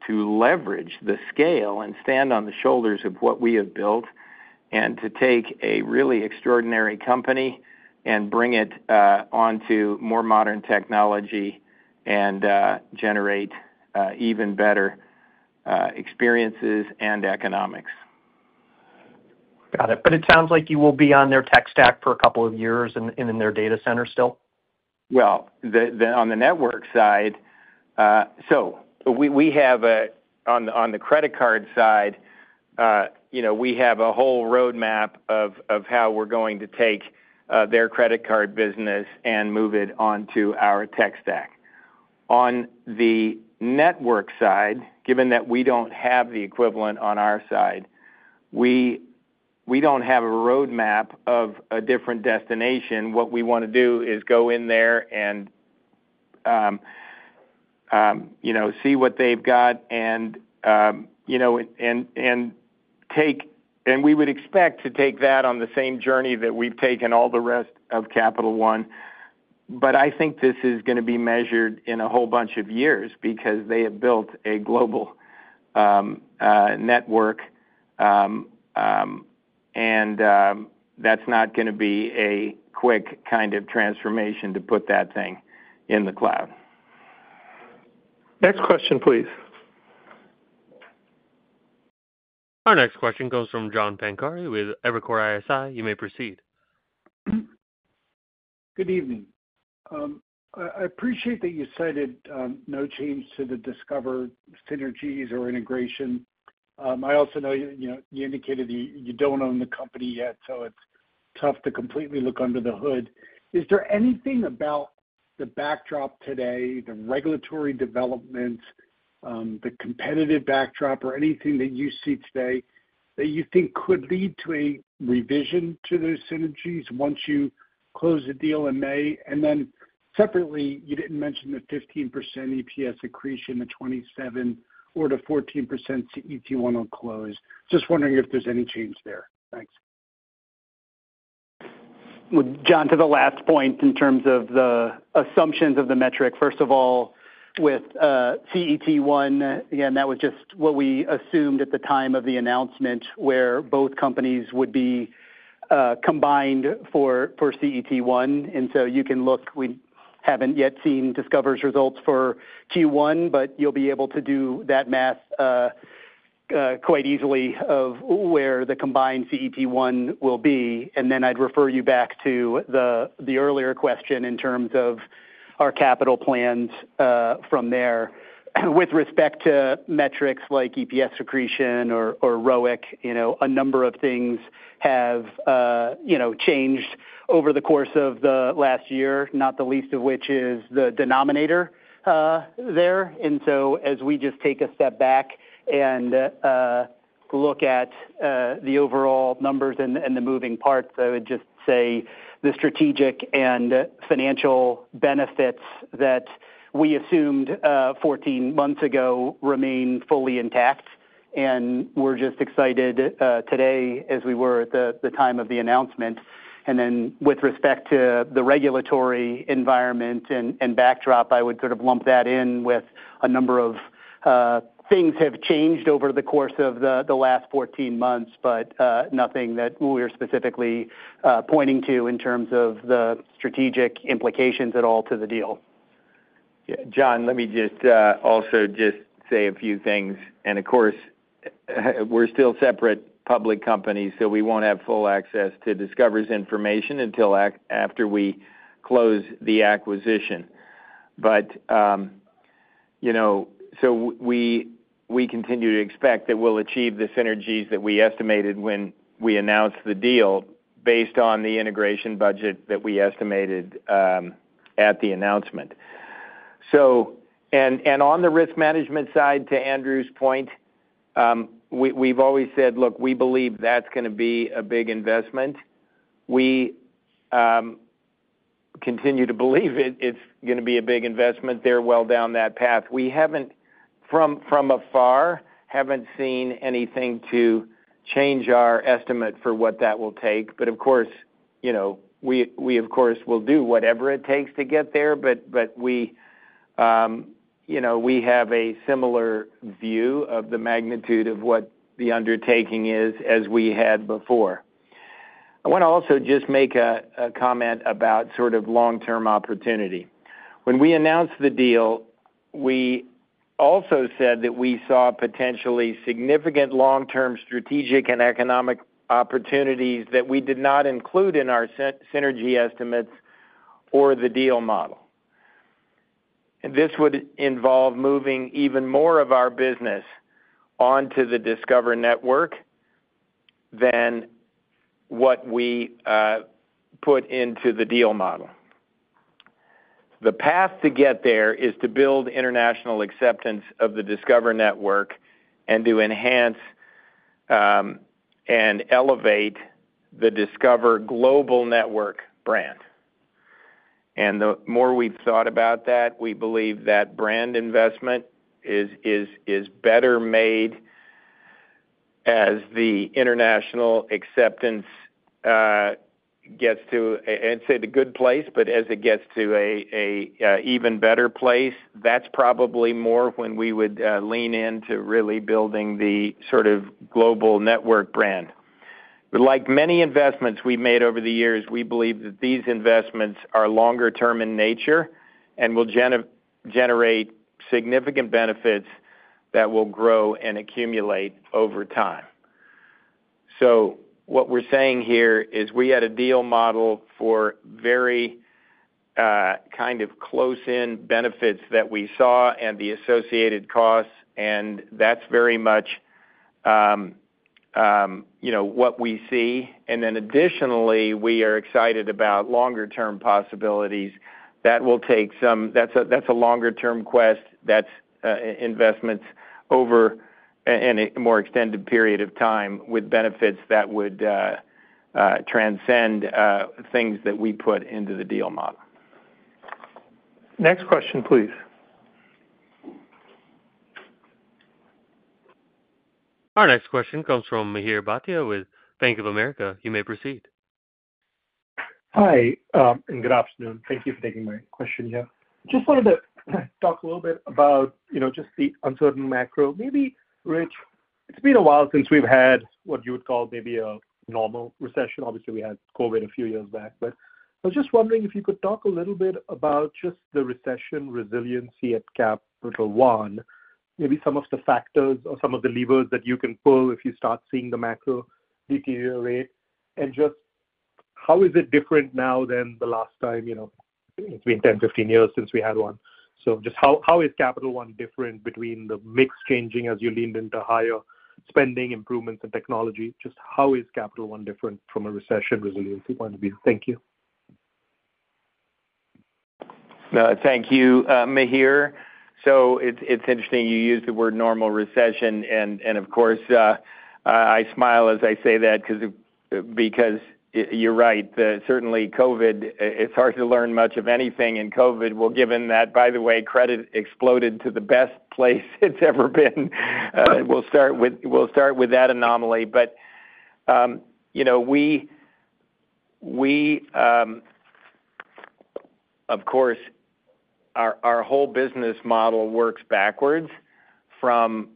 to leverage the scale and stand on the shoulders of what we have built and to take a really extraordinary company and bring it onto more modern technology and generate even better experiences and economics. Got it. It sounds like you will be. On their tech stack for a couple. Years in their data center still. On the network side, we have, on the credit card side, a whole roadmap of how we're going to take their credit card business and move it onto our tech stack. On the network side, given that we don't have the equivalent on our side, we don't have a roadmap of a different destination. What we want to do is go in there and see what they've got and we would expect to take that on the same journey that we've taken all the rest of Capital One. I think this is going to be measured in a whole bunch of years because they have built a global. Network. That is not going to be a quick kind of transformation to put that thing in the cloud. Next question, please. Our next question comes from John Pancari with Evercore ISI. You may proceed. Good evening. I appreciate that you cited no change to the Discover synergies or integration. I also know you indicated you do not own the company yet. It is tough to completely look under the hood. Is there anything about the backdrop today, the regulatory developments, the competitive backdrop, or? Anything that you see today that you think could lead to a revision to those synergies once you close the deal in May? Separately, you did not mention the 15% EPS accretion to 2027 or the 14% CET1 on close. Just wondering if there is any change there. Thanks. John. To the last point in terms of the assumptions of the metric, first of all, with CET1 again, that was just what we assumed at the time of the announcement where both companies would be combined for CET1. You can look, we have not yet seen Discover's results for Q1, but you will be able to do that math quite easily of where the combined CET1 will be. I would refer you back to the earlier question in terms of our capital plans from there with respect to metrics like EPS accretion or ROIC. You know, a number of things have changed over the course of the last year, not the least of which is the denominator there. As we just take a step back and look at the overall numbers and the moving parts, I would just say the strategic and financial benefits that we assumed 14 months ago remain fully intact. We are just as excited today as we were at the time of the announcement. With respect to the regulatory environment and backdrop, I would sort of lump that in with a number of things that have changed over the course of the last 14 months, but nothing that we are specifically pointing to in terms of the strategic implications at all to the deal. John, let me just also say a few things. Of course we're still separate public companies, so we won't have full access to Discover's information until after we close the acquisition. You know, we continue to expect that we'll achieve the synergies that we estimated when we announced the deal based on the integration budget that we estimated at the announcement. On the risk management side, to Andrew's point, we've always said, look, we believe that's going to be a big investment. We continue to believe it's going to be a big investment. They're well down that path. We haven't from afar seen anything to change our estimate for what that will take. Of course, you know, we will do whatever it takes to get there. We, you know, have a similar view of the magnitude of what the undertaking is as we had before. I want to also just make a comment about sort of long term opportunity. When we announced the deal, we also said that we saw potentially significant long term strategic and economic opportunities that we did not include in our synergy estimates or the deal model. This would involve moving even more of our business onto the Discover Network than what we put into the deal model. The path to get there is to build international acceptance of the Discover Network and to enhance and elevate the Discover global network brand. The more we have thought about that, we believe that brand investment is better made as the international acceptance gets to, I would say, the good place, but as it gets to an even better place. That's probably more when we would lean into really building the sort of global network brand. Like many investments we've made over the years, we believe that these investments are longer term in nature and will generate significant benefits that will grow and accumulate over time. What we are saying here is we had a deal model for very kind of close in benefits that we saw and the associated costs. That is very much what we see. Additionally, we are excited about longer term possibilities that will take some. That is a longer term quest. That is investments over a more extended period of time with benefits that would transcend things that we put into the deal model. Next question, please. Our next question comes from Mihir Bhatia with Bank of America. You may proceed. Hi and good afternoon. Thank you for taking my question here. Just wanted to talk a little bit about, you know, just the uncertain macro maybe. Rich, it's been a while since we've had what you would call maybe a normal recession. Obviously we had a few years back. I was just wondering if you could talk a little bit about just the recession resiliency at Capital One. Maybe some of the factors or some of the levers that you can pull if you start seeing the macro deteriorate. Just how is it different now than the last time? You know, it's been 10, 15 years since we had one. Just how is Capital One different between the mix changing as you leaned into higher spending, improvements in technology, just how is Capital One different from a recession resiliency point of view? Thank you. Thank you, Mihir. It's interesting you used the word normal recession and of course I smile as I say that because you're right, certainly COVID. It's hard to learn much of anything in COVID. Given that, by the way, credit exploded to the best place it's ever been. We'll start with that anomaly. You know, our whole business model works backwards from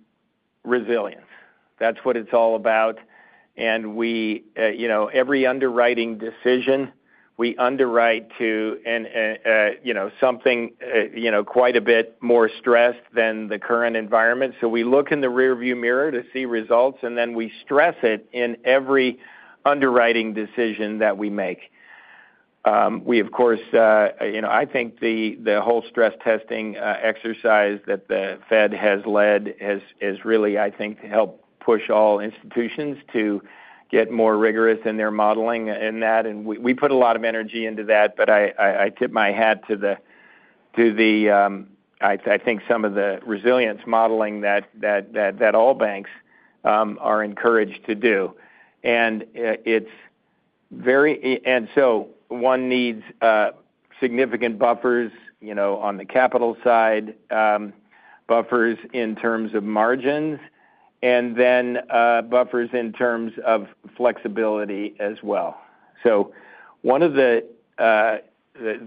resilience. That's what it's all about. You know, every underwriting decision, we underwrite to, you know, something, you know, quite a bit more stressed than the current environment. We look in the rearview mirror to see results and then we stress it in every underwriting decision that we make. We, of course, you know, I think the whole stress testing exercise that the Fed has led is really, I think, helped push all institutions to get more rigorous in their modeling in that. We put a lot of energy into that. I tip my hat to the, to the, I think some of the resilience modeling that all banks are encouraged to do and it's very. One needs significant buffers, you know, on the capital side, buffers in terms of margins and then buffers in terms of flexibility as well. One of the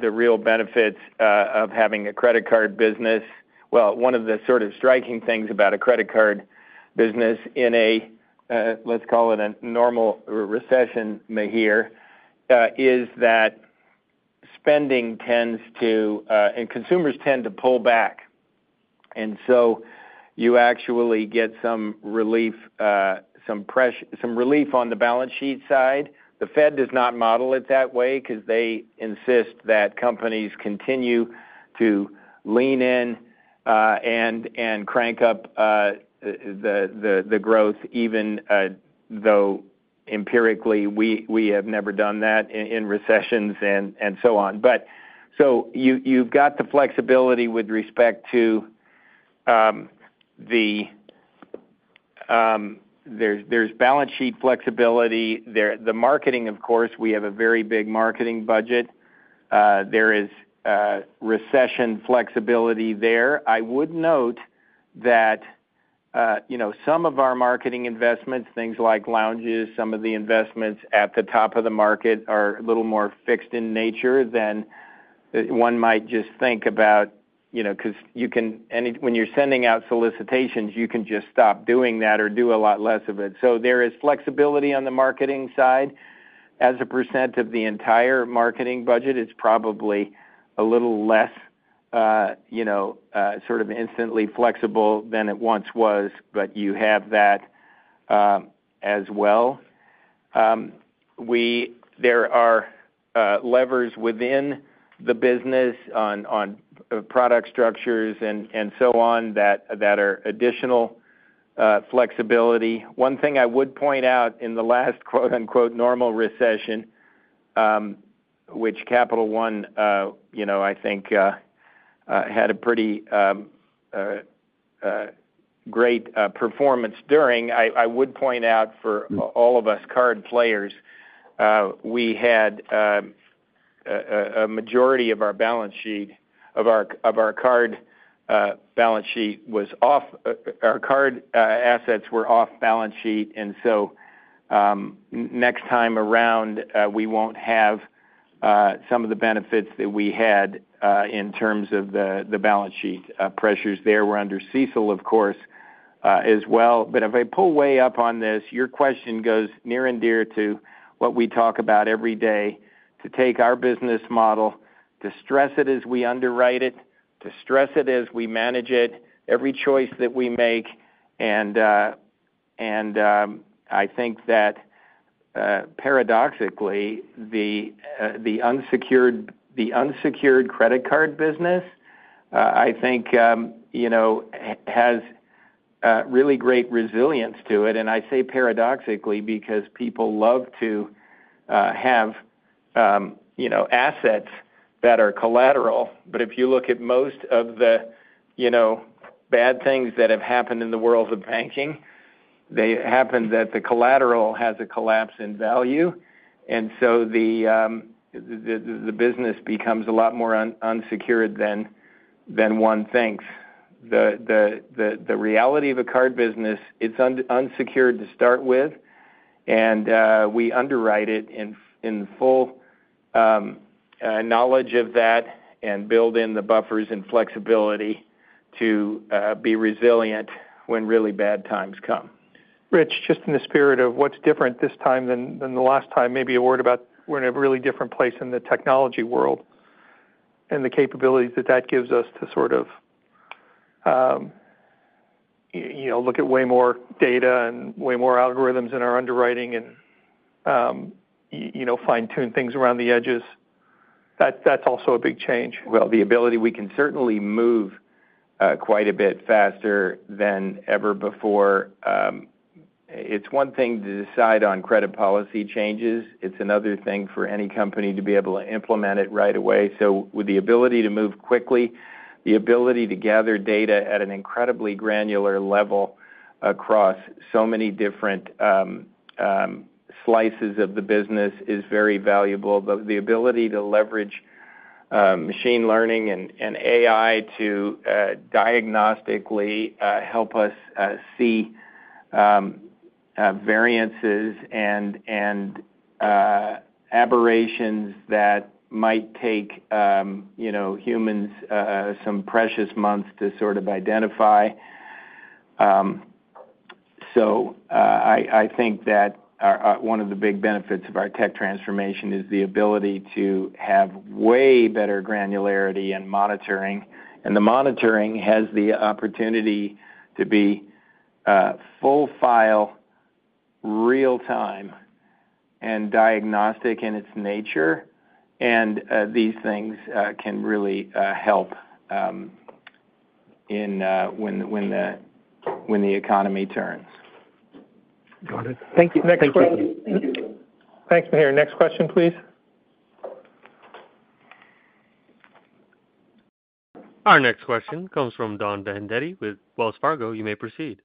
real benefits of having a credit card business. One of the sort of striking things about a credit card business in a, let's call it a normal recession me here is that spending tends to, and consumers tend to pull back. You actually get some relief, some pressure, some relief on the balance sheet side. The Fed does not model it that way because they insist that companies continue to lean in and crank up the growth, even though empirically we have never done that in recessions and so on. You have the flexibility with respect to the balance sheet flexibility, the marketing, of course, we have a very big marketing budget. There is recession flexibility there. I would note that some of our marketing investments, things like lounges, some of the investments at the top of the market are a little more fixed in nature than one might just think about, because when you are sending out solicitations, you can just stop doing that or do a lot less of it. There is flexibility on the marketing side as a percent of the entire marketing budget, it's probably a little less sort of instantly flexible than it once was, but you have that as well. There are levers within the business on product structures and so on that are additional flexibility. One thing I would point out in the last normal recession, which Capital One, you know, I think had a pretty great performance during, I would point out for all of us card players, we had a majority of our balance sheet, of our card balance sheet was off, our card assets were off balance sheet. Next time around we won't have some of the benefits that we had in terms of the balance sheet pressures there were under CECL, of course, as well. If I pull way up on this, your question goes near and dear to what we talk about every day. To take our business model, to stress it as we underwrite it, to stress it as we manage it, every choice that we make. I think that paradoxically, the unsecured credit card business, I think, has really great resilience to it. I say paradoxically because people love to have assets that are collateral. If you look at most of the bad things that have happened in the world of banking, they happen that the collateral has a collapse in value. The business becomes a lot more unsecured than one thinks. The reality of a card business, it's unsecured to start with, and we underwrite it in full knowledge of that and build in the buffers and flexibility to be resilient when really bad times come. Rich, just in the spirit of what's different this time than the last time, maybe a word about we're in a really different place in the technology world and the capabilities that that gives us to sort of, you know, look at way more data and way more algorithms. In our underwriting and. You know, fine tune things around the edges. That's also a big change. The ability, we can certainly move quite a bit faster than ever before. It's one thing to decide on credit policy changes, it's another thing for any company to be able to implement it right away. With the ability to move quickly, the ability to gather data at an incredibly granular level across so many different slices of the business is very valuable. The ability to leverage machine learning and AI to diagnostically help us see variances and aberrations that might take humans some precious months to sort of identify. I think that one of the big benefits of our tech transformation is the ability to have way better granularity and monitoring. The monitoring has the opportunity to be full file, real time and diagnostic in its nature. These things can really help when the economy turns. Got it. Thank you. Thanks, Mihir. Next question, please. Our next question comes from Don Fandetti with Wells Fargo. You may proceed.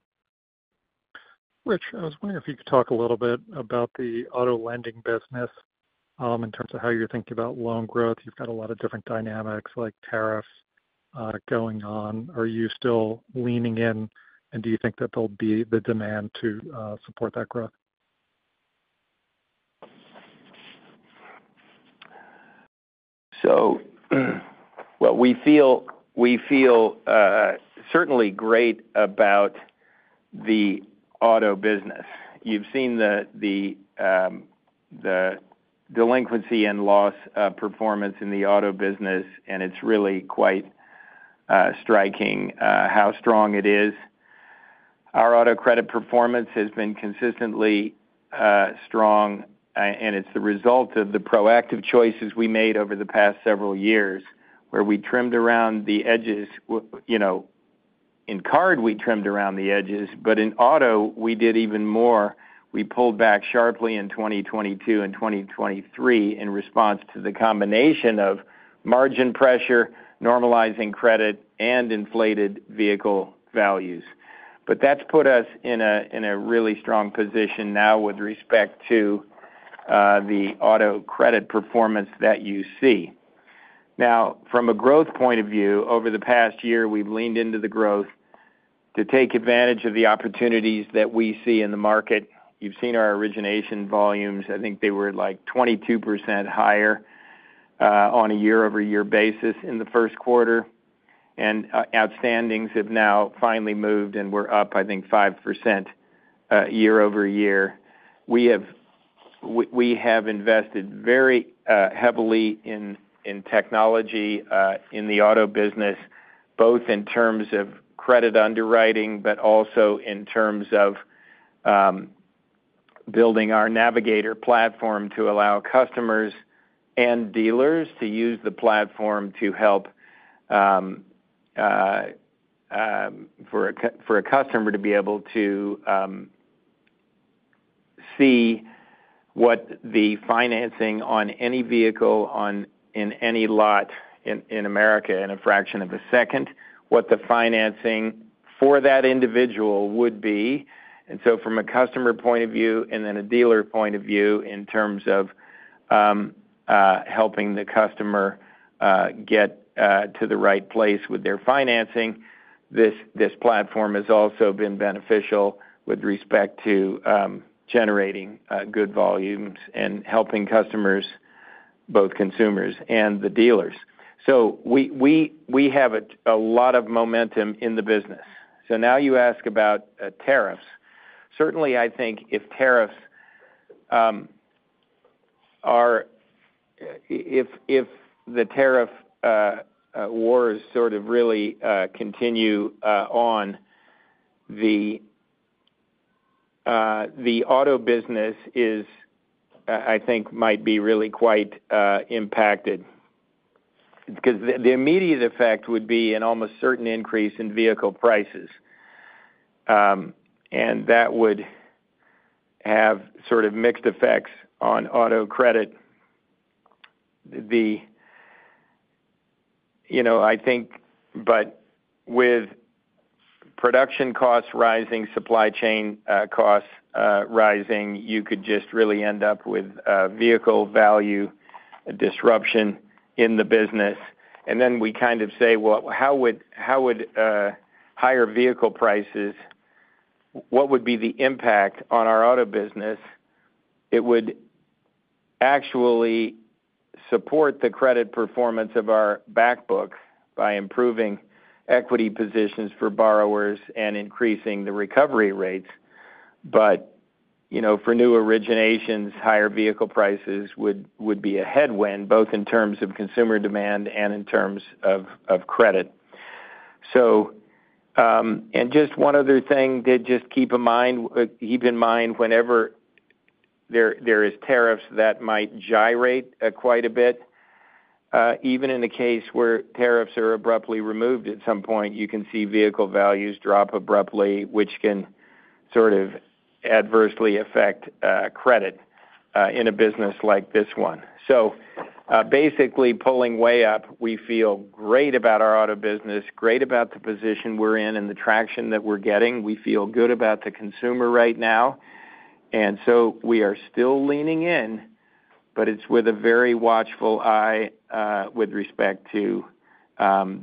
Rich, I was wondering if you could talk a little bit about the auto lending business. In terms of how you're thinking about loan growth. You've got a lot of different dynamics like tariffs going on. Are you still leaning in and do you think that there'll be the demand to support that growth? We feel certainly great about the auto business. You've seen the delinquency and loss performance in the auto business and it's really quite striking how strong it is. Our auto credit performance has been consistently strong and it's the result of the proactive choices we made over the past several years where we trimmed around the edges. You know, in card we trimmed around the edges, but in auto we did even more. We pulled back sharply in 2022 and 2023 in response to the combination of margin pressure, normalizing credit and inflated vehicle values. That's put us in a really strong position now with respect to the auto credit performance that you see now from a growth point of view. Over the past year, we've leaned into the growth to take advantage of the opportunities that we see in the market. You've seen our origination volumes, I think they were like 22% higher on a year over year basis in the first quarter. Outstandings have now finally moved and we're up, I think, 5% year over year. We have invested very heavily in technology in the auto business, both in terms of credit underwriting, but also in terms of building our Navigator Platform to allow customers and dealers to use the platform to help. For a customer to be able to see what the financing on any vehicle on, in any lot in America in a fraction of a second, what the financing for that individual would be. From a customer point of view and then a dealer point of view, in terms of helping the customer get to the right place with their financing, this platform has also been beneficial with respect to generating good volumes and helping customers, both consumers and the dealers. We have a lot of momentum in the business. You ask about tariffs. Certainly, I think if tariffs are, if the tariff wars sort of really continue on, the auto business is, I think, might be really quite impacted because the immediate effect would be an almost certain increase in vehicle prices. That would have sort of mixed effects on auto credit. You know, I think with production costs rising, supply chain costs rising, you could just really end up with vehicle value disruption in the business. We kind of say, how would higher vehicle prices, what would be the impact on our auto business? It would actually support the credit performance of our back book by improving equity positions for borrowers and increasing the recovery rates. You know, for new originations, higher vehicle prices would be a headwind both in terms of consumer demand and in terms of credit. Just one other thing to keep in mind, whenever there are tariffs that might gyrate quite a bit. Even in the case where tariffs are abruptly removed, at some point, you can see vehicle values drop abruptly, which can sort of adversely affect credit in a business like this one. Basically pulling way up, we feel great about our auto business, great about the position we're in and the traction that we're getting. We feel good about the consumer right now. We are still leaning in, but it is with a very watchful eye with respect to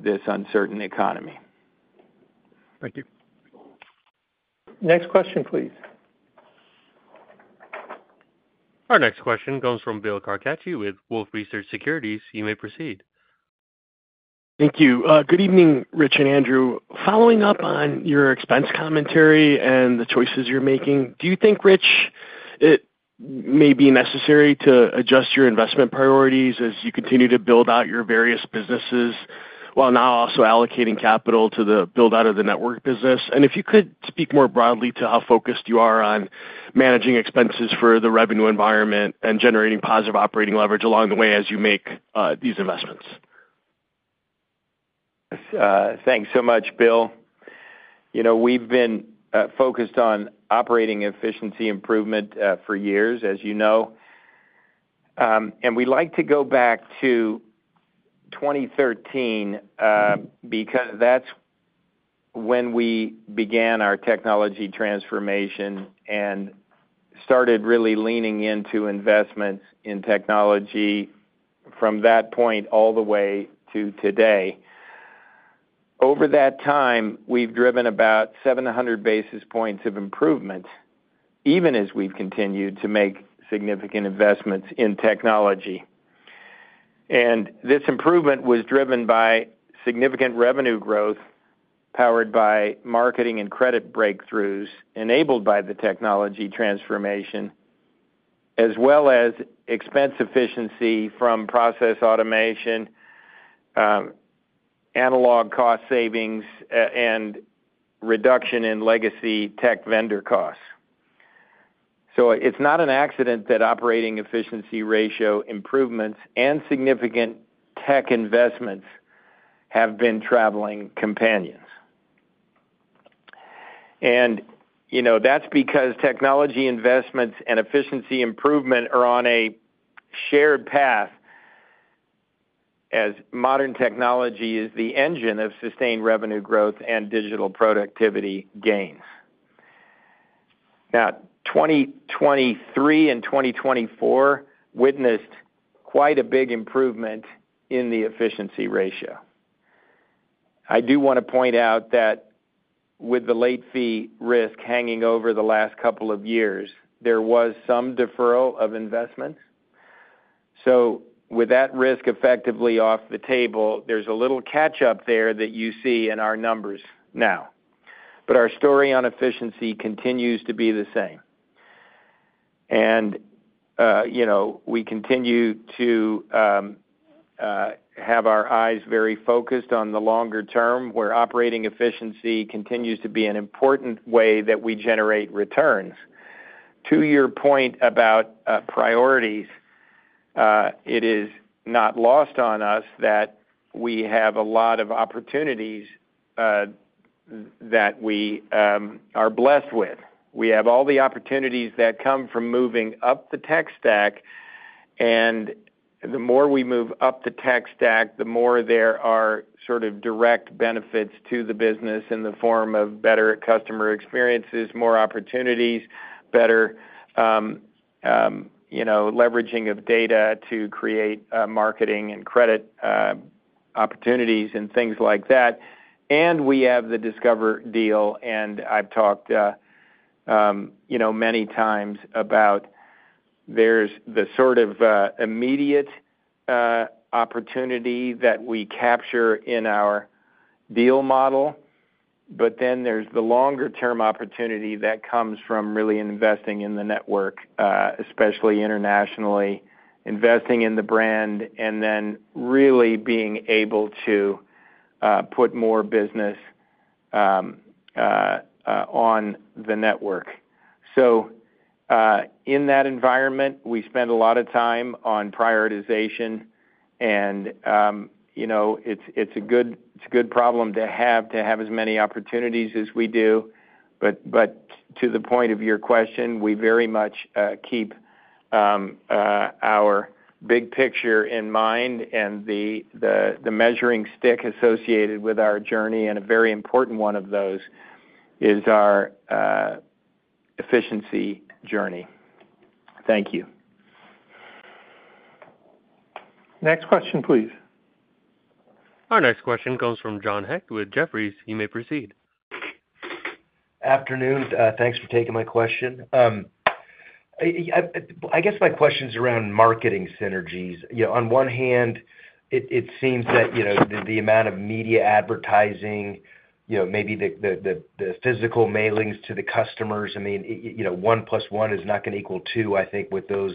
this uncertain economy. Thank you. Next question please. Our next question comes from Bill Carcache with Wolfe Research Securities. You may proceed. Thank you. Good evening, Rich and Andrew, following up on your expense commentary and the choices. You're making, do you think Rich may be necessary to adjust your investment priorities? As you continue to build out your various businesses while now also allocating capital. To the build out of the network business? If you could speak more broadly. To how focused you are on managing expenses for the revenue environment and generating positive operating leverage along the way as you make these investments. Thanks so much, Bill. You know, we've been focused on operating efficiency improvement for years, as you know, and we like to go back to 2013 because that's when we began our technology transformation and started really leaning into investments in technology from that point all the way to today. Over that time we've driven about 700 basis points of improvement even as we've continued to make significant investments in technology. This improvement was driven by significant revenue growth powered by marketing and credit breakthroughs enabled by the technology transformation as well as expense efficiency from process automation, analog cost savings, and reduction in legacy tech vendor costs. It is not an accident that operating efficiency ratio improvements and significant tech investments have been traveling companions. You know, that is because technology investments and efficiency improvement are on a shared path as modern technology is the engine of sustained revenue growth and digital productivity gains. Now, 2023 and 2024 witnessed quite a big improvement in the efficiency ratio. I do want to point out that with the late fee risk hanging over the last couple of years, there was some deferral of investments. With that risk effectively off the table, there is a little catch up there that you see in our numbers now. Our story on efficiency continues to be the same. You know, we continue to have our eyes very focused on the longer term where operating efficiency continues to be an important way that we generate returns. To your point about priorities, it is not lost on us that we have a lot of opportunities that we are blessed with. We have all the opportunities that come from moving up the tech stack. The more we move up the tech stack, the more there are sort of direct benefits to the business in the form of better customer experiences, more opportunities, better leveraging of data to create marketing and credit opportunities and things like that. We have the Discover deal. I have talked many times about there is the sort of immediate opportunity that we capture in our deal model. There is the longer term opportunity that comes from really investing in the network, especially internationally, investing in the brand and then really being able to put more business on the network. In that environment, we spend a lot of time on prioritization and you know, it's a good problem to have to have as many opportunities as we do. To the point of your question, we very much keep our big picture in mind and the measuring stick associated with our journey. A very important one of those is our efficiency journey. Thank you. Next question please. Our next question comes from John Hecht with Jefferies. You may proceed. Afternoon. Thanks for taking my question. I guess my question is around marketing synergies. On one hand, it seems that the amount of media advertising, maybe the physical mailings to the customers, one plus one is not going to equal two, I think with those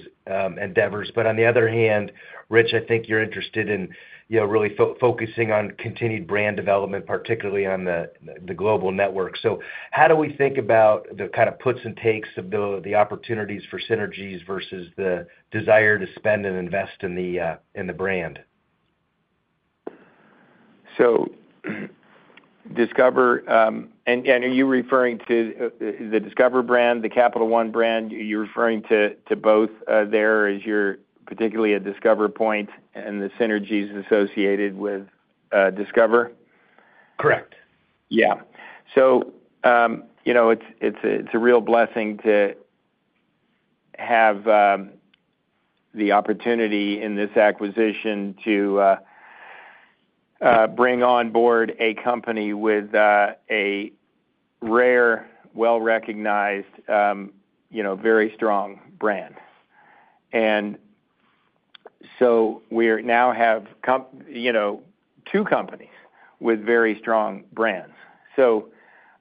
endeavors. On the other hand, Rich, I think you're interested in really focusing on continued brand development, particularly on the global network. How do we think about the kind of puts and takes of the opportunities for synergies versus the desire to spend and invest in the brand. Discover and are you referring to the Discover brand, the Capital One brand? Are you referring to both there as you're particularly at Discover point and the synergies associated with Discover? Correct. Yeah. You know, it's a real blessing to have the opportunity in this acquisition to bring on board a company with a rare, well recognized, very strong brand. We now have two companies with very strong brands.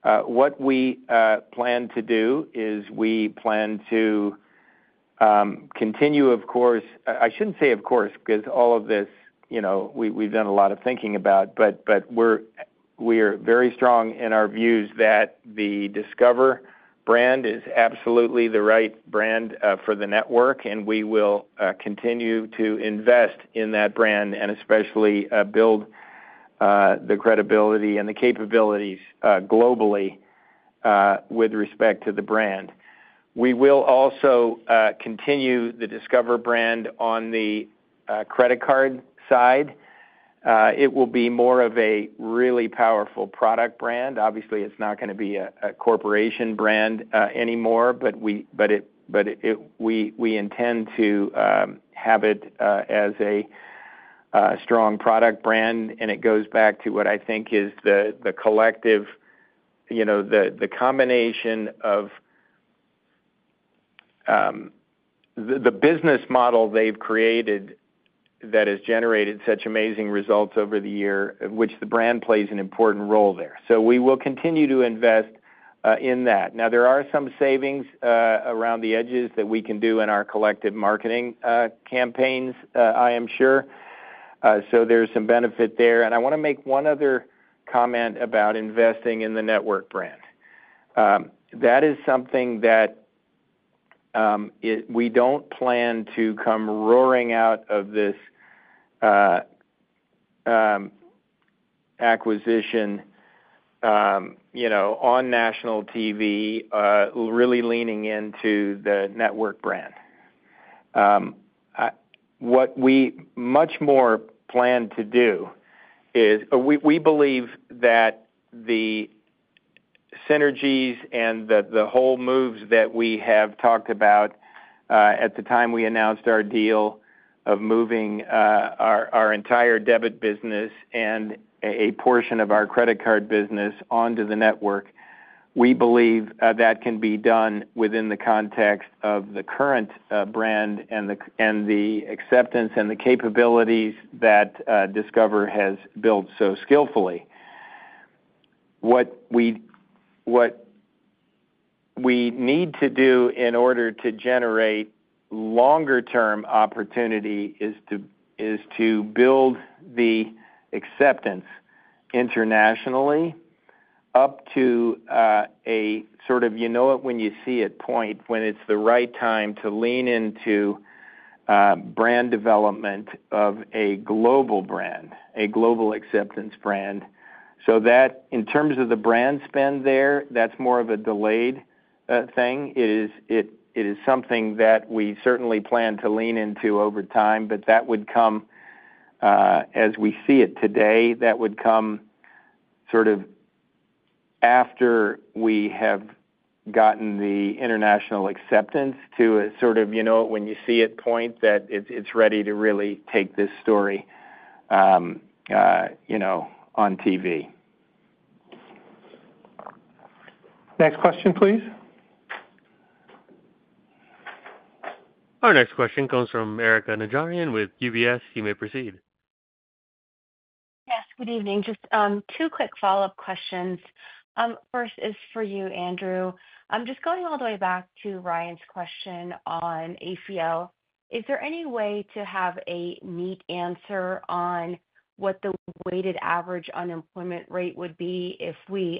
What we plan to do is we plan to continue, of course, I should not say of course because all of this we have done a lot of thinking about, but we are very strong in our views that the Discover brand is absolutely the right brand for the network. We will continue to invest in that brand and especially build the credibility and the capabilities globally with respect to the brand. We will also continue the Discover brand on the credit card side. It will be more of a really powerful product brand. Obviously it's not going to be a corporation brand anymore, but we intend to have it as a strong product brand. It goes back to what I think is the collective, the combination of the business model they've created that has generated such amazing results over the year, which the brand plays an important role there. We will continue to invest in that. There are some savings around the edges that we can do in our collective marketing campaigns, I am sure, so there is some benefit there. I want to make one other comment about investing in the Network brand. That is something that we don't plan to come roaring out of this acquisition on national TV really leaning into the network brand. What we much more plan to do is we believe that the synergies and the whole moves that we have talked about at the time we announced our deal of moving our entire debit business and a portion of our credit card business onto the network. We believe that can be done within the context of the current brand and the acceptance and the capabilities that Discover has built so skillfully. What we need to do in order to generate longer term opportunity is to build the acceptance internationally up to a sort of you know it when you see it point when it's the right time to lean into brand development of a global brand, a global acceptance brand, so that in terms of the brand spend there, that's more of a delayed thing. It is something that we certainly plan to lean into over time. That would come as we see it today. That would come sort of after we have gotten the international acceptance to sort of, you know, when you see it, point that it's ready to really take this story, you know, on TV. Next question, please. Our next question comes from Erika Najarian with UBS. You may proceed. Yes, good evening. Just two quick follow up questions. First is for you, Andrew, just going all the way back to Ryan's. Question on ACL. Is there any way to have a neat answer on what the weighted average unemployment rate would be if we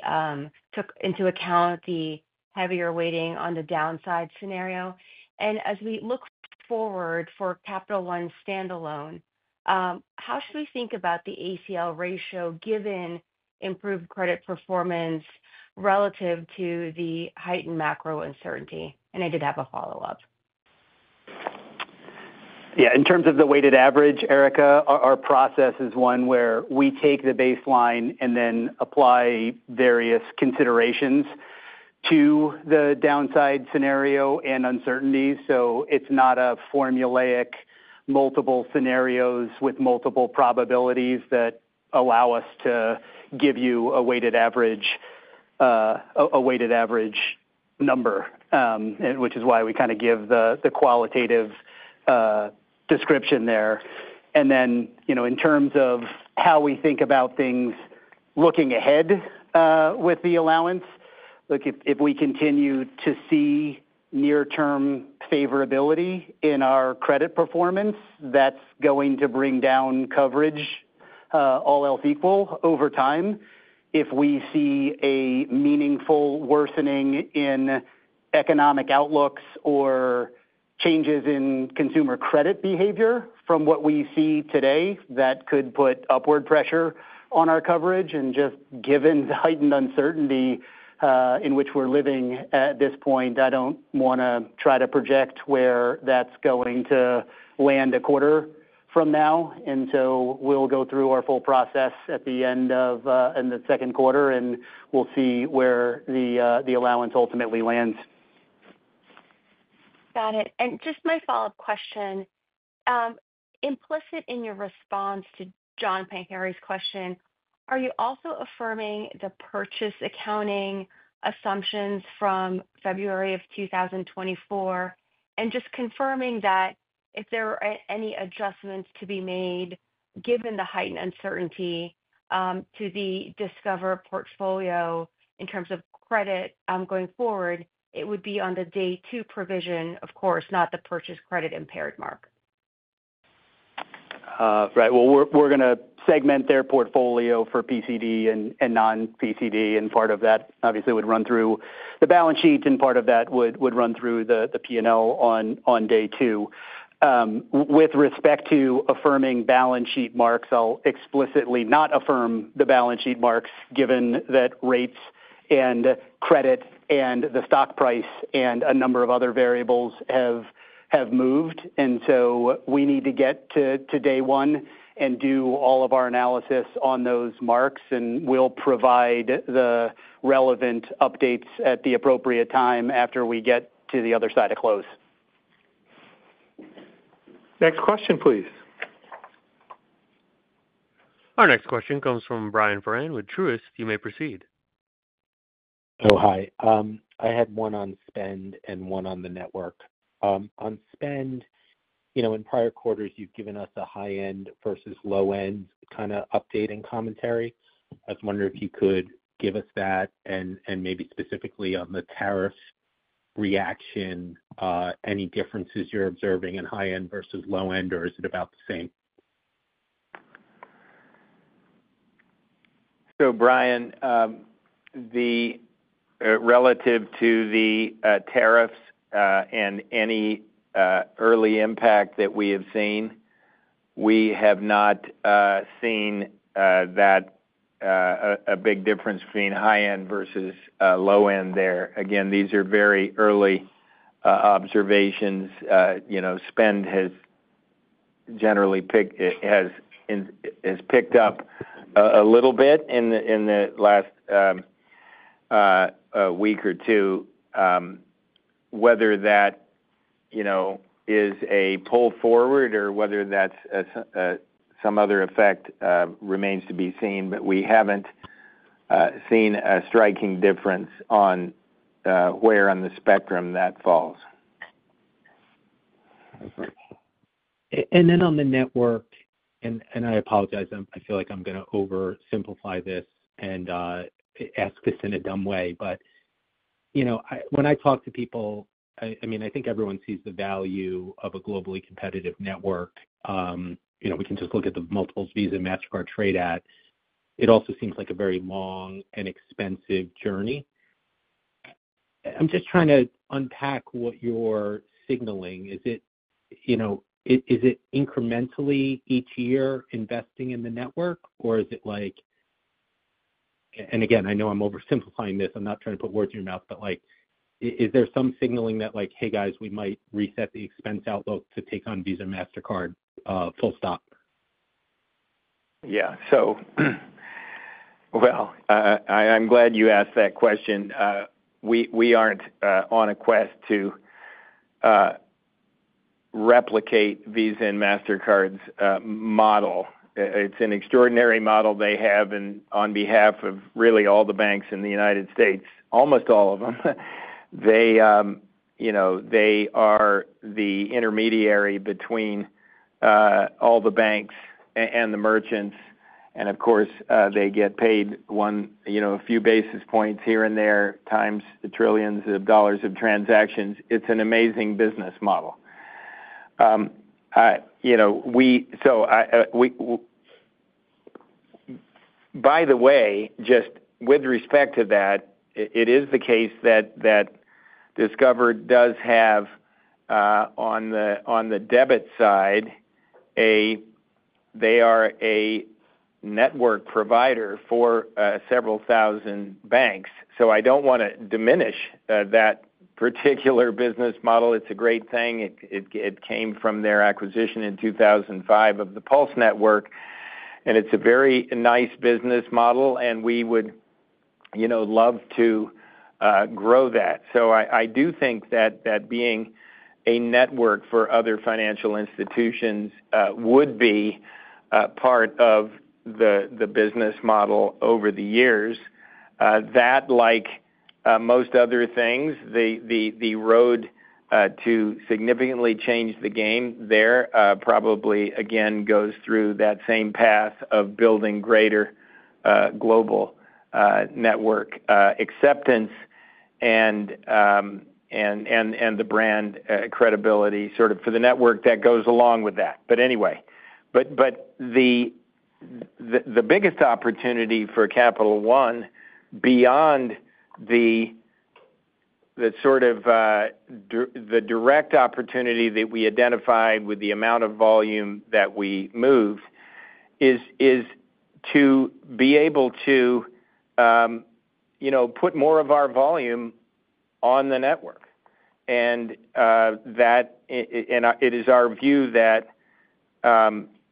took into account the heavier weighting on the downside scenario? As we look forward for Capital One standalone, how should we think about the ACL ratio given improved credit performance relative to the heightened macro uncertainty? I did have a follow up. Yeah. In terms of the weighted average, Erika, our process is one where we take the baseline and then apply various considerations to the downside scenario and uncertainty. It is not a formulaic multiple scenarios with multiple probabilities that allow us to give you a weighted average, a weighted average number, which is why we kind of give the qualitative description there. You know, in terms of how we think about things looking ahead with the allowance, look, if we continue to see near term favorability in our credit performance, that is going to bring down coverage, all else equal over time. If we see a meaningful worsening in economic outlooks or changes in consumer credit behavior from what we see today, that could put upward pressure on our coverage. Given the heightened uncertainty in which we're living at this point, I don't want to try to project where that's going to land a quarter from now. We'll go through our full process at the end of the second quarter and we'll see where the allowance ultimately lands. Got it. Just my follow up question, implicit in your response to John Pancari's question, are you also affirming the purchase accounting assumptions from February of 2024 and just confirming that if there are any adjustments to be made, given the heightened uncertainty to the Discover portfolio in terms of credit going forward, it would be on the day two provision, of course, not the purchase credit impaired mark. Right. We're going to segment their portfolio for PCD and non-PCD and part of that obviously would run through the balance sheet and part of that would run through the P&L on day two. With respect to affirming balance sheet marks, I'll explicitly not affirm the balance sheet marks given that rates and credit and the stock price and a number of other variables have moved. We need to get to day one and do all of our analysis on those marks and we'll provide the relevant updates at the appropriate time after we get to the other side of close. Next question please. Our next question comes from Brian Foran with Truist. You may proceed. Oh, hi. I had one on Spend and one on the network on Spend. You know, in prior quarters you've given. Is a high end versus low end kind of update and commentary. I was wondering if you could give us that and maybe specifically on the tariff reaction. Any differences you're observing in high end versus low end or is it about the same? Brian, relative to the tariffs and any early impact that we have seen, we have not seen a big difference between high end versus low end there. Again, these are very early observations. You know, spend has generally picked, has picked up a little bit in the last week or two. Whether that is a pull forward or whether that's some other effect remains to be seen. We haven't seen a striking difference on where on the spectrum that falls. On the network and I. Apologize, I feel like I'm going to oversimplify this and ask this in a dumb way, but you know, when I talk to people, I mean I think everyone sees the value of a globally competitive network. You know, we can just look at. The multiples Visa, Mastercard, trade at. It also seems like a very long and expensive journey. I'm just trying to unpack what you're signaling. Is it, you know, is it incrementally. Each year investing in the network. Is it like, and again, I know I'm oversimplifying this, I'm not trying to put words in your mouth, but like, is there some signaling that like, hey guys, we might reset the exposure outlook to take on Visa MasterCard full stop. Yeah. I'm glad you asked that question. We aren't on a quest to replicate Visa and MasterCard's model. It's an extraordinary model they have on behalf of really all the banks in the United States, almost all of them. They are the intermediary between all the banks and the merchants. Of course they get paid a few basis points here and there, times the trillions of dollars of transactions. It's an amazing business model. By the way, just with respect to that, it is the case that Discover does have on the debit side, they are a network provider for several thousand banks. I do not want to diminish that particular business model. It's a great thing. It came from their acquisition in 2005 of the Pulse Network. It's a very nice business model and we would love to grow that. I do think that being a network for other financial institutions would be part of the business model over the years. Like most other things, the road to significantly change the game there probably again goes through that same path of building greater global network acceptance and the brand credibility sort of for the network that goes along with that. Anyway, the biggest opportunity for Capital One, beyond the sort of the direct opportunity that we identified with the amount of volume that we move, is to be able to, you know, put more of our volume on the network. It is our view that,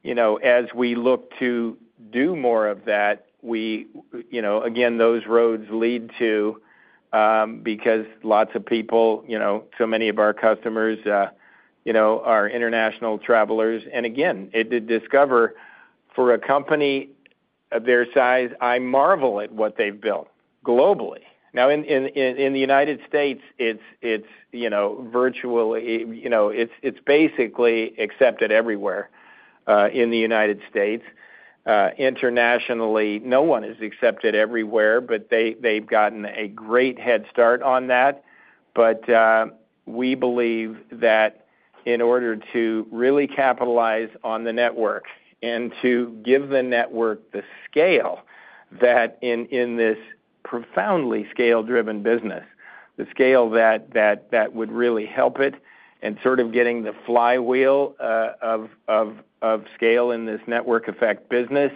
you know, as we look to do more of that, we, you know, again those roads lead to because lots of people, you know, so many of our customers, our international travelers, and again Discover, for a company of their size, I marvel at what they've built globally. Now in the U.S. it is virtually, it is basically accepted everywhere. In the U.S. internationally, no one is accepted everywhere. They have gotten a great head start on that. We believe that in order to really capitalize on the network and to give the network the scale that in this profoundly scale driven business, the scale that would really help it and sort of getting the flywheel of scale in this network effect business,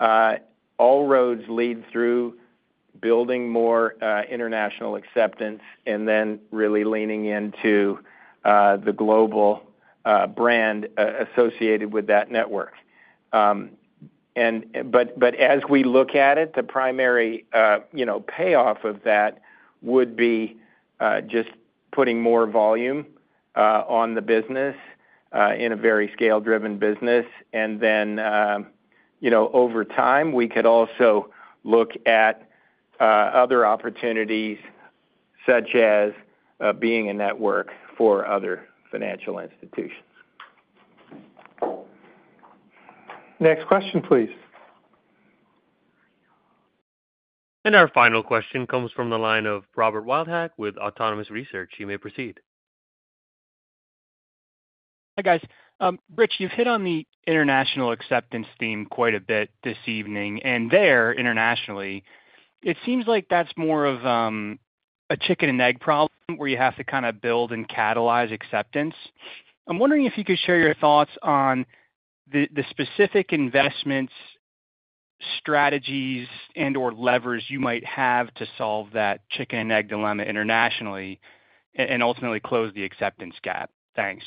all roads lead through building more international acceptance and then really leaning into the global brand associated with that network. As we look at it, the primary payoff of that would be just putting more volume on the business in a very scale driven business. You know, over time we could also look at other opportunities, such as being a network for other financial institutions. Next question, please. Our final question comes from the line of Robert Wildhack with Autonomous Research. You may proceed. Hi, guys. Rich, you've hit on the international acceptance. Theme quite a bit this evening. There internationally, it seems like that's. More of a chicken and egg problem where you have to kind of build and catalyze acceptance. I'm wondering if you could share your thoughts on the specific investments, strategies, and or levers you might have to solve. That chicken and egg dilemma internationally and ultimately close the acceptance gap. Thanks.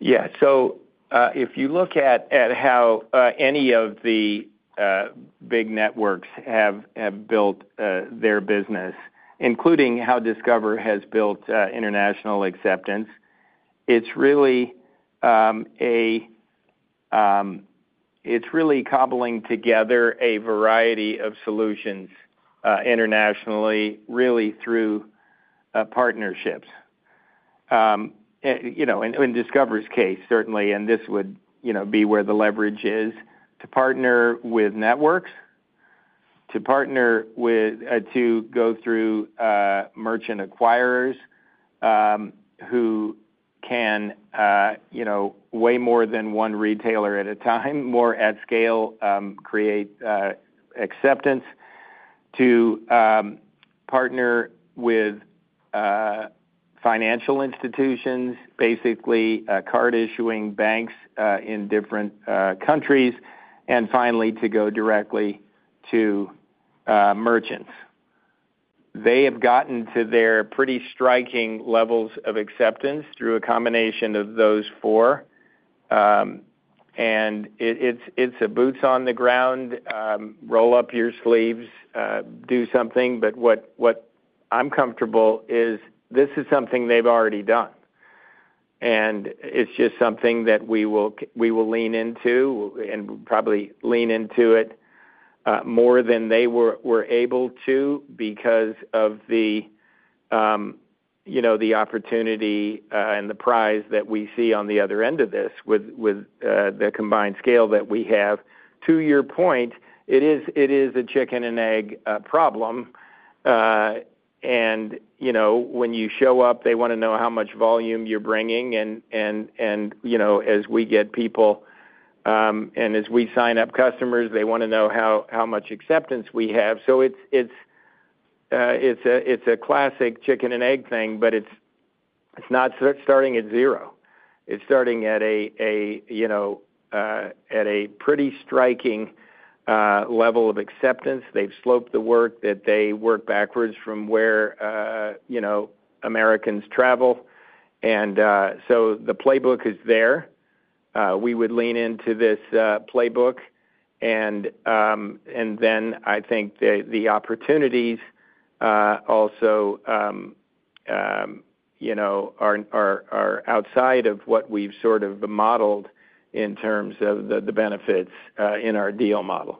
Yeah. If you look at how any of the big networks have built their business, including how Discover has built international acceptance, it's really cobbling together a variety of solutions internationally really through partnerships, you know, in Discover's case, certainly. This would be where the leverage is to partner with networks, to partner with, to go through merchant acquirers who can weigh more than one retailer at a time. More at scale, create acceptance to partner with financial institutions, basically card issuing banks in different countries, and finally to go directly to merchants. They have gotten to their pretty striking levels of acceptance through a combination of those four. It's a boots on the ground, roll up your sleeves, do something. What I am comfortable with is this is something they have already done and it is just something that we will lean into and probably lean into it more than they were able to because of the opportunity and the prize that we see on the other end of this with the combined scale that we have. To your point, it is a chicken and egg problem. When you show up, they want to know how much volume you are bringing. As we get people and as we sign up customers, they want to know how much acceptance we have. So. It's a classic chicken and egg thing, but it's not starting at zero. It's starting at a pretty striking level of acceptance. They've scoped the work that they work backwards from where Americans travel. The playbook is there. We would lean into this playbook. I think the opportunities also are outside of what we've sort of modeled in terms of the benefits in our deal model.